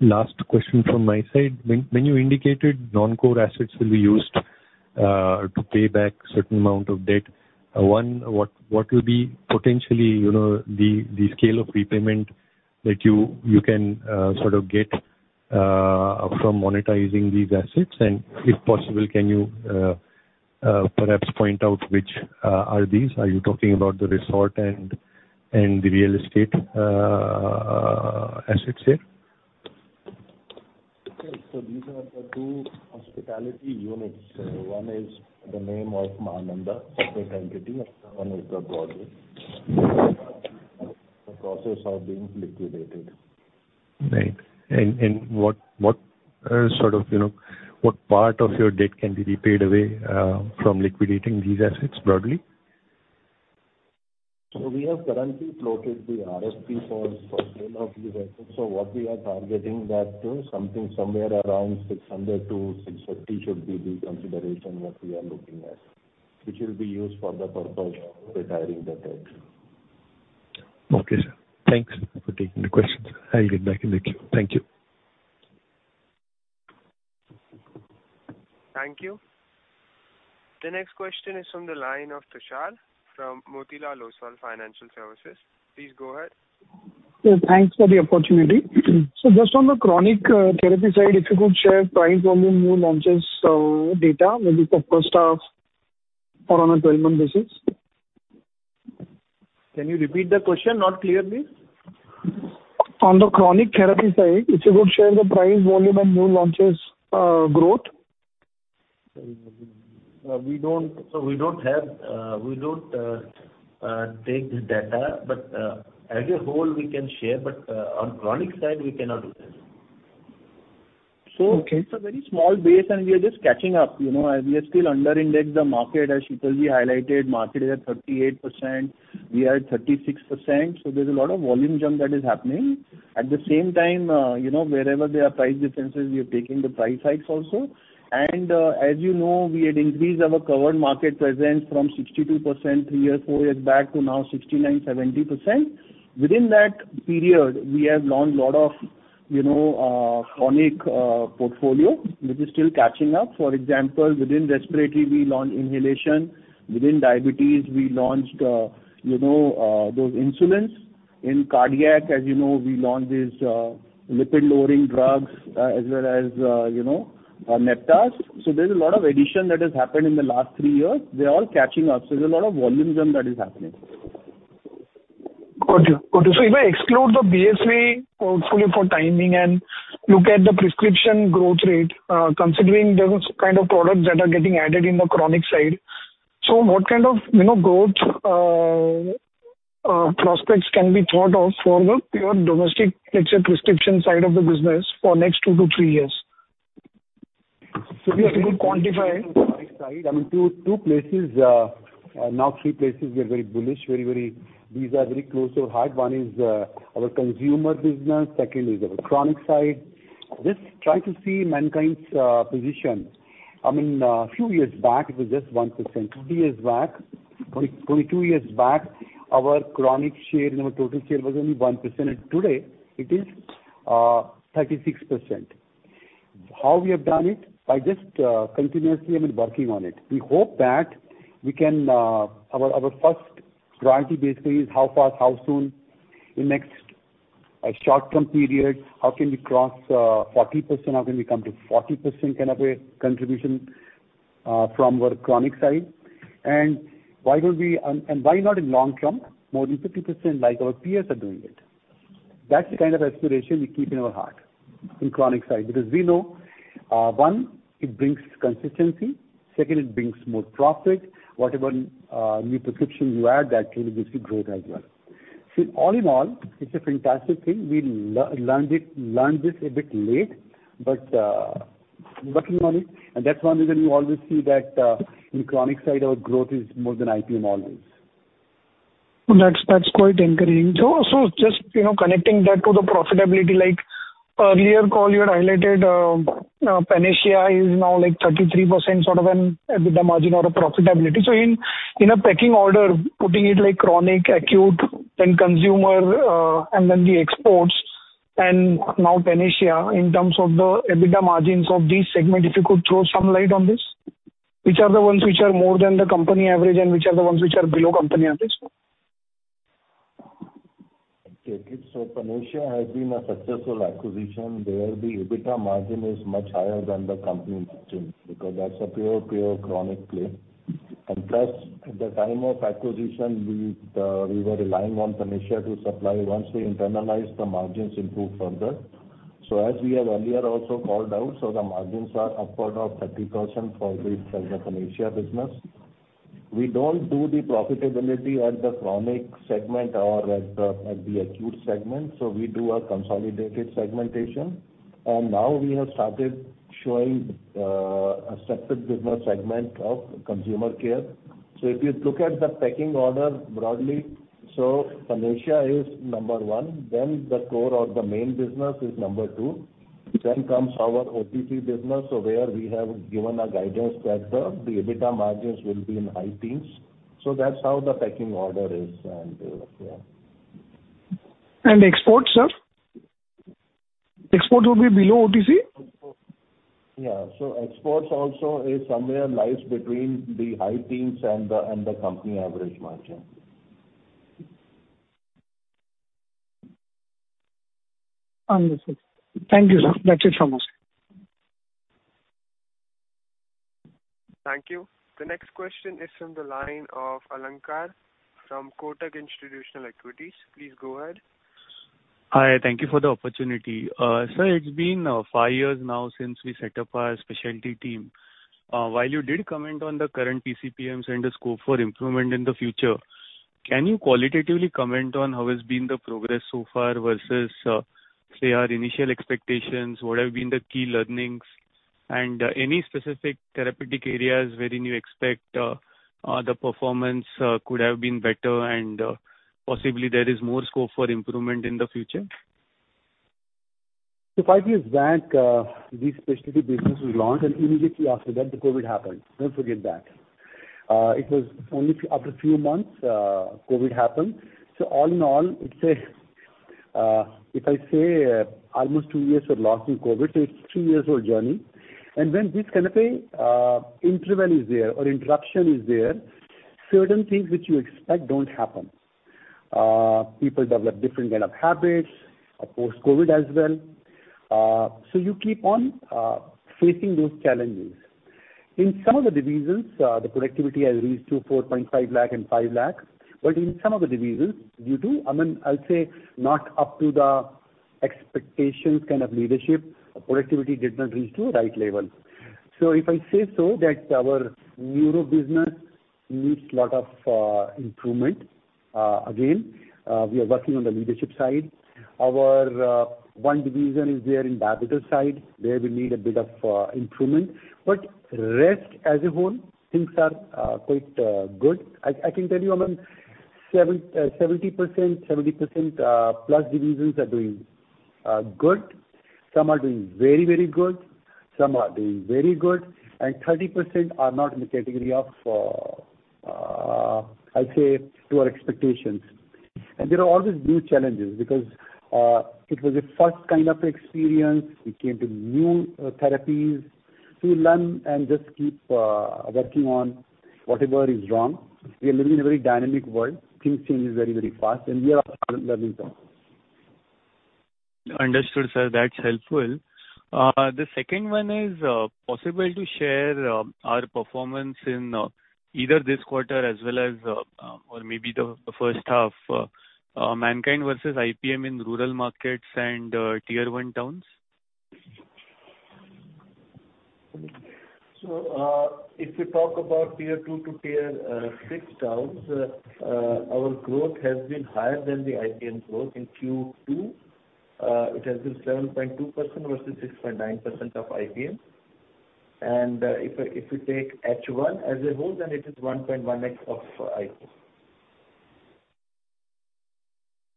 last question from my side. When you indicated non-core assets will be used to pay back a certain amount of debt, one, what will be potentially the scale of repayment that you can sort of get from monetizing these assets? And if possible, can you perhaps point out which are these? Are you talking about the resort and the real estate assets here? These are the two hospitality units. One is the name of Manu Maharani, separate entity. One is the broader. The process of being liquidated. Right. And what sort of part of your debt can be repaid away from liquidating these assets broadly? We have currently floated the RFP for sale of these assets. What we are targeting, that something somewhere around 600-650 should be the consideration that we are looking at, which will be used for the purpose of retiring the debt. Okay, sir. Thanks for taking the questions. I'll get back in the queue. Thank you. Thank you. The next question is from the line of Tushar from Motilal Oswal Financial Services. Please go ahead. Yeah. Thanks for the opportunity. So just on the chronic therapy side, if you could share price, volume, new launches data, maybe for first half or on a 12-month basis? Can you repeat the question? Not clear, please. On the chronic therapy side, if you could share the price volume and new launches growth? We don't take the data, but as a whole, we can share. On chronic side, we cannot do that. It's a very small base, and we are just catching up. We are still underindexed the market, as Sheetalji highlighted. Market is at 38%. We are at 36%. There's a lot of volume jump that is happening. At the same time, wherever there are price differences, we are taking the price hikes also. As you know, we had increased our covered market presence from 62% three years, four years back to now 69%-70%. Within that period, we have launched a lot of chronic portfolio, which is still catching up. For example, within respiratory, we launched inhalation. Within diabetes, we launched those insulins. In cardiac, as you know, we launched these lipid-lowering drugs as well as Neptaz. There's a lot of addition that has happened in the last three years. They're all catching up. There's a lot of volume jump that is happening. Gotcha. Gotcha. So if I exclude the BSV portfolio for timing and look at the prescription growth rate, considering the kind of products that are getting added in the chronic side, so what kind of growth prospects can be thought of for the pure domestic, let's say, prescription side of the business for next two to three years? So we have to quantify. I mean, two places, now three places we are very bullish. These are very close to our heart. One is our consumer business. Second is our chronic side. Just trying to see Mankind's position. I mean, a few years back, it was just 1%. 20 years back, 22 years back, our chronic share in our total share was only 1%. And today, it is 36%. How we have done it? By just continuously, I mean, working on it. We hope that we can. Our first priority basically is how fast, how soon in next short-term period, how can we cross 40%? How can we come to 40% kind of a contribution from our chronic side? And why don't we and why not in long-term, more than 50% like our peers are doing it? That's the kind of aspiration we keep in our heart in chronic side because we know, one, it brings consistency. Second, it brings more profit. Whatever new prescription you add, that really gives you growth as well. See, all in all, it's a fantastic thing. We learned this a bit late, but working on it, and that's one reason you always see that in chronic side, our growth is more than IPM always. That's quite encouraging. So just connecting that to the profitability, like earlier call, you had highlighted Panacea is now like 33% sort of an EBITDA margin or a profitability. So in a pecking order, putting it like chronic, acute, then consumer, and then the exports, and now Panacea in terms of the EBITDA margins of these segments, if you could throw some light on this, which are the ones which are more than the company average and which are the ones which are below company average? Okay. Panacea has been a successful acquisition where the EBITDA margin is much higher than the company margin because that's a pure, pure chronic play. And plus, at the time of acquisition, we were relying on Panacea to supply. Once we internalized, the margins improved further. As we have earlier also called out, the margins are upward of 30% for the Panacea business. We don't do the profitability at the chronic segment or at the acute segment. We do a consolidated segmentation. And now we have started showing a separate business segment of consumer care. If you look at the pecking order broadly, Panacea is number one. Then the core or the main business is number two. Then comes our OTC business, where we have given a guidance that the EBITDA margins will be in high teens. So that's how the pecking order is, and yeah. And exports, sir? Exports will be below OTC? Yeah. So exports also lies somewhere between the high teens and the company average margin. Understood. Thank you, sir. That's it from us. Thank you. The next question is from the line of Alankar from Kotak Institutional Equities. Please go ahead. Hi. Thank you for the opportunity. Sir, it's been five years now since we set up our specialty team. While you did comment on the current PCPMs and the scope for improvement in the future, can you qualitatively comment on how has been the progress so far versus, say, our initial expectations? What have been the key learnings? And any specific therapeutic areas wherein you expect the performance could have been better and possibly there is more scope for improvement in the future? If I think back, these specialty businesses launched, and immediately after that, the COVID happened. Don't forget that. It was only after a few months COVID happened. So all in all, it's a if I say almost two years of launching COVID, so it's a three-year-old journey. And when this kind of interval is there or interruption is there, certain things which you expect don't happen. People develop different kind of habits post-COVID as well. So you keep on facing those challenges. In some of the divisions, the productivity has reached to Rs. 4.5 lakh and Rs. 5 lakh. But in some of the divisions, due to, I mean, I'll say not up to the expectations kind of leadership, productivity did not reach to the right level. So if I say so that our neuro business needs a lot of improvement. Again, we are working on the leadership side. Our one division is there in the acute side. There we need a bit of improvement. But rest as a whole, things are quite good. I can tell you, I mean, 70%, 70% plus divisions are doing good. Some are doing very, very good. Some are doing very good. And 30% are not in the category of, I'll say, to our expectations. And there are always new challenges because it was a first kind of experience. We came to new therapies. To learn and just keep working on whatever is wrong. We are living in a very dynamic world. Things change very, very fast. And we are learning from it. Understood, sir. That's helpful. The second one is possible to share our performance in either this quarter as well as or maybe the first half, Mankind versus IPM in rural markets and tier-one towns? So if you talk about tier-2 to tier-6 towns, our growth has been higher than the IPM growth in Q2. It has been 7.2% versus 6.9% of IPM. And if you take H1 as a whole, then it is 1.1x of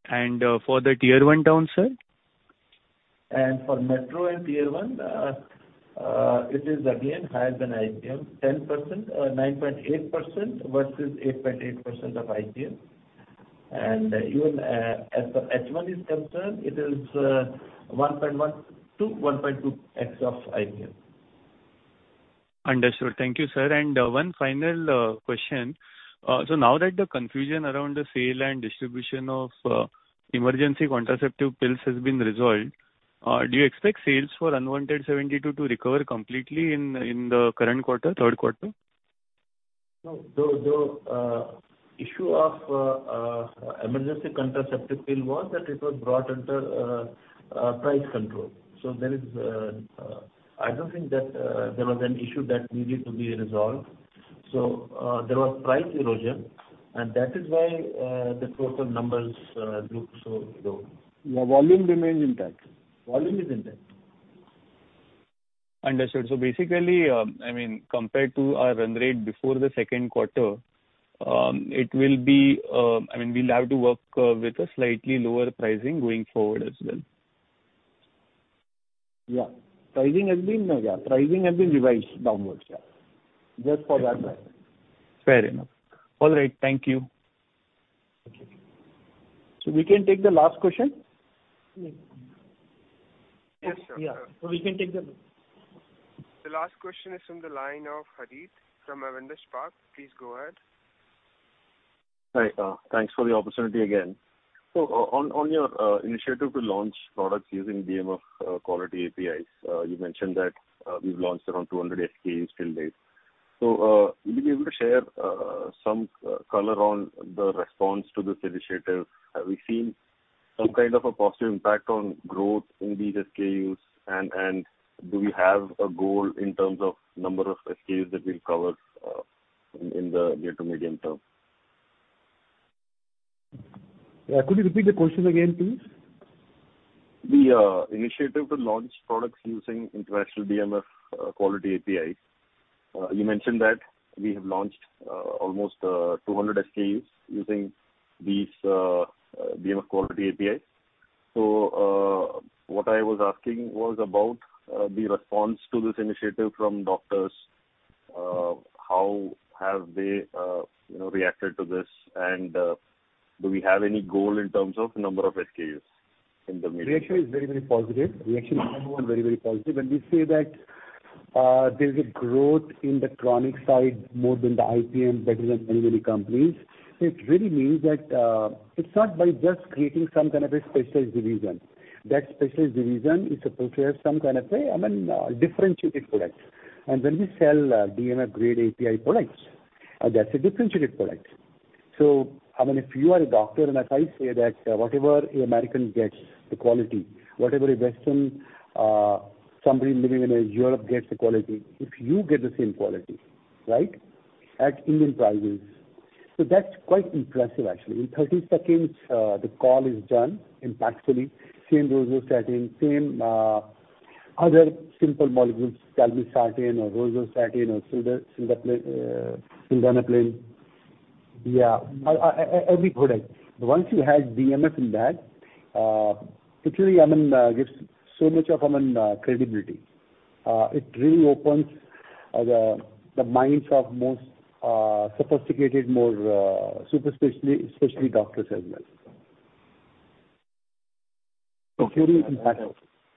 IPM. For the tier-one towns, sir? And for metro and tier-one, it is again higher than IPM, 10%, 9.8% versus 8.8% of IPM. And even as for H1 is concerned, it is 1.1-1.2x of IPM. Understood. Thank you, sir. And one final question. So now that the confusion around the sale and distribution of emergency contraceptive pills has been resolved, do you expect sales for Unwanted-72 to recover completely in the current quarter, third quarter? No. The issue of emergency contraceptive pill was that it was brought under price control. So, I don't think that there was an issue that needed to be resolved. So there was price erosion, and that is why the total numbers look so low. Yeah. Volume remains intact. Volume is intact. Understood. So basically, I mean, compared to our run rate before the second quarter, it will be, I mean, we'll have to work with a slightly lower pricing going forward as well. Yeah. Pricing has been revised downwards, yeah, just for that reason. Fair enough. All right. Thank you. So we can take the last question? Yes, sir. Yeah. So we can take the. The last question is from the line of Harith from Avendus Spark. Please go ahead. Hi. Thanks for the opportunity again. So on your initiative to launch products using GMP quality APIs, you mentioned that we've launched around 200 SKUs till date. So would you be able to share some color on the response to this initiative? Have we seen some kind of a positive impact on growth in these SKUs? And do we have a goal in terms of number of SKUs that we've covered in the near to medium term? Yeah. Could you repeat the question again, please? The initiative to launch products using international GMP quality APIs, you mentioned that we have launched almost 200 SKUs using these GMP quality APIs. So what I was asking was about the response to this initiative from doctors. How have they reacted to this? And do we have any goal in terms of number of SKUs in the medium term? Reaction is very, very positive. Reaction number one, very, very positive. When we say that there's a growth in the chronic side more than the IPM, better than many, many companies, it really means that it's not by just creating some kind of a specialized division. That specialized division is supposed to have some kind of a, I mean, differentiated product. And when we sell GMP-grade API products, that's a differentiated product. So, I mean, if you are a doctor, and if I say that whatever an American gets, the quality, whatever a Western somebody living in Europe gets, the quality, if you get the same quality, right, at Indian prices, so that's quite impressive, actually. In 30 seconds, the call is done impactfully. Same rosuvastatin, same other simple molecules, telmisartan or rosuvastatin or sildenafil. Yeah. Every product. Once you have GMP in that, it really, I mean, gives so much of, I mean, credibility. It really opens the minds of most sophisticated, more super-specialty doctors as well. Okay.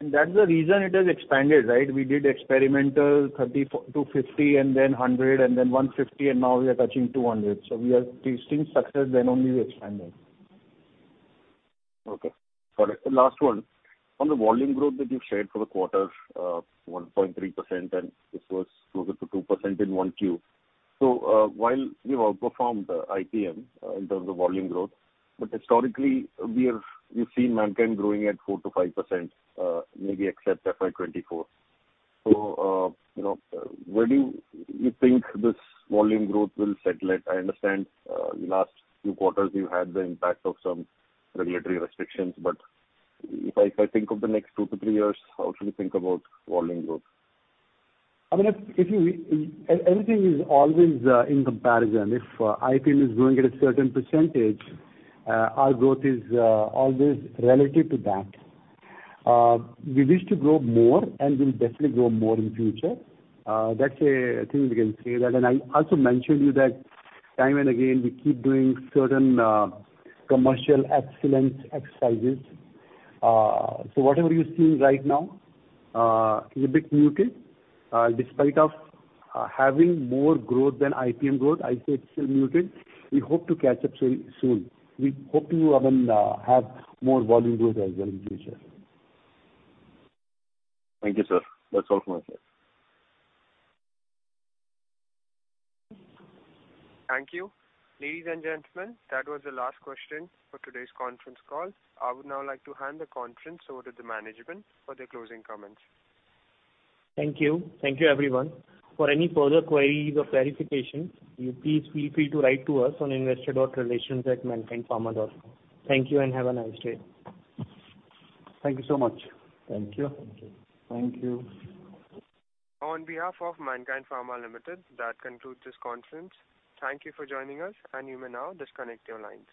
That's the reason it has expanded, right? We did experimental 30-50, and then 100, and then 150, and now we are touching 200. We are tasting success, then only we expanded. Okay. Got it. The last one. On the volume growth that you've shared for the quarter, 1.3%, and this was closer to 2% in 1Q. So while we've outperformed IPM in terms of volume growth, but historically, we've seen Mankind growing at 4%-5%, maybe except FY24. So where do you think this volume growth will settle at? I understand the last few quarters you've had the impact of some regulatory restrictions. But if I think of the next two to three years, how should we think about volume growth? I mean, everything is always in comparison. If IPM is growing at a certain percentage, our growth is always relative to that. We wish to grow more, and we'll definitely grow more in the future. That's a thing we can say that. And I also mentioned to you that time and again, we keep doing certain commercial excellence exercises. So whatever you're seeing right now is a bit muted. Despite having more growth than IPM growth, I'd say it's still muted. We hope to catch up soon. We hope to, I mean, have more volume growth as well in the future. Thank you, sir. That's all from us, sir. Thank you. Ladies and gentlemen, that was the last question for today's conference call. I would now like to hand the conference over to the management for their closing comments. Thank you. Thank you, everyone. For any further queries or clarifications, you please feel free to write to us on investor.relations@mankindpharma.com. Thank you and have a nice day. Thank you so much. Thank you. Thank you. Thank you. On behalf of Mankind Pharma Limited, that concludes this conference. Thank you for joining us, and you may now disconnect your line.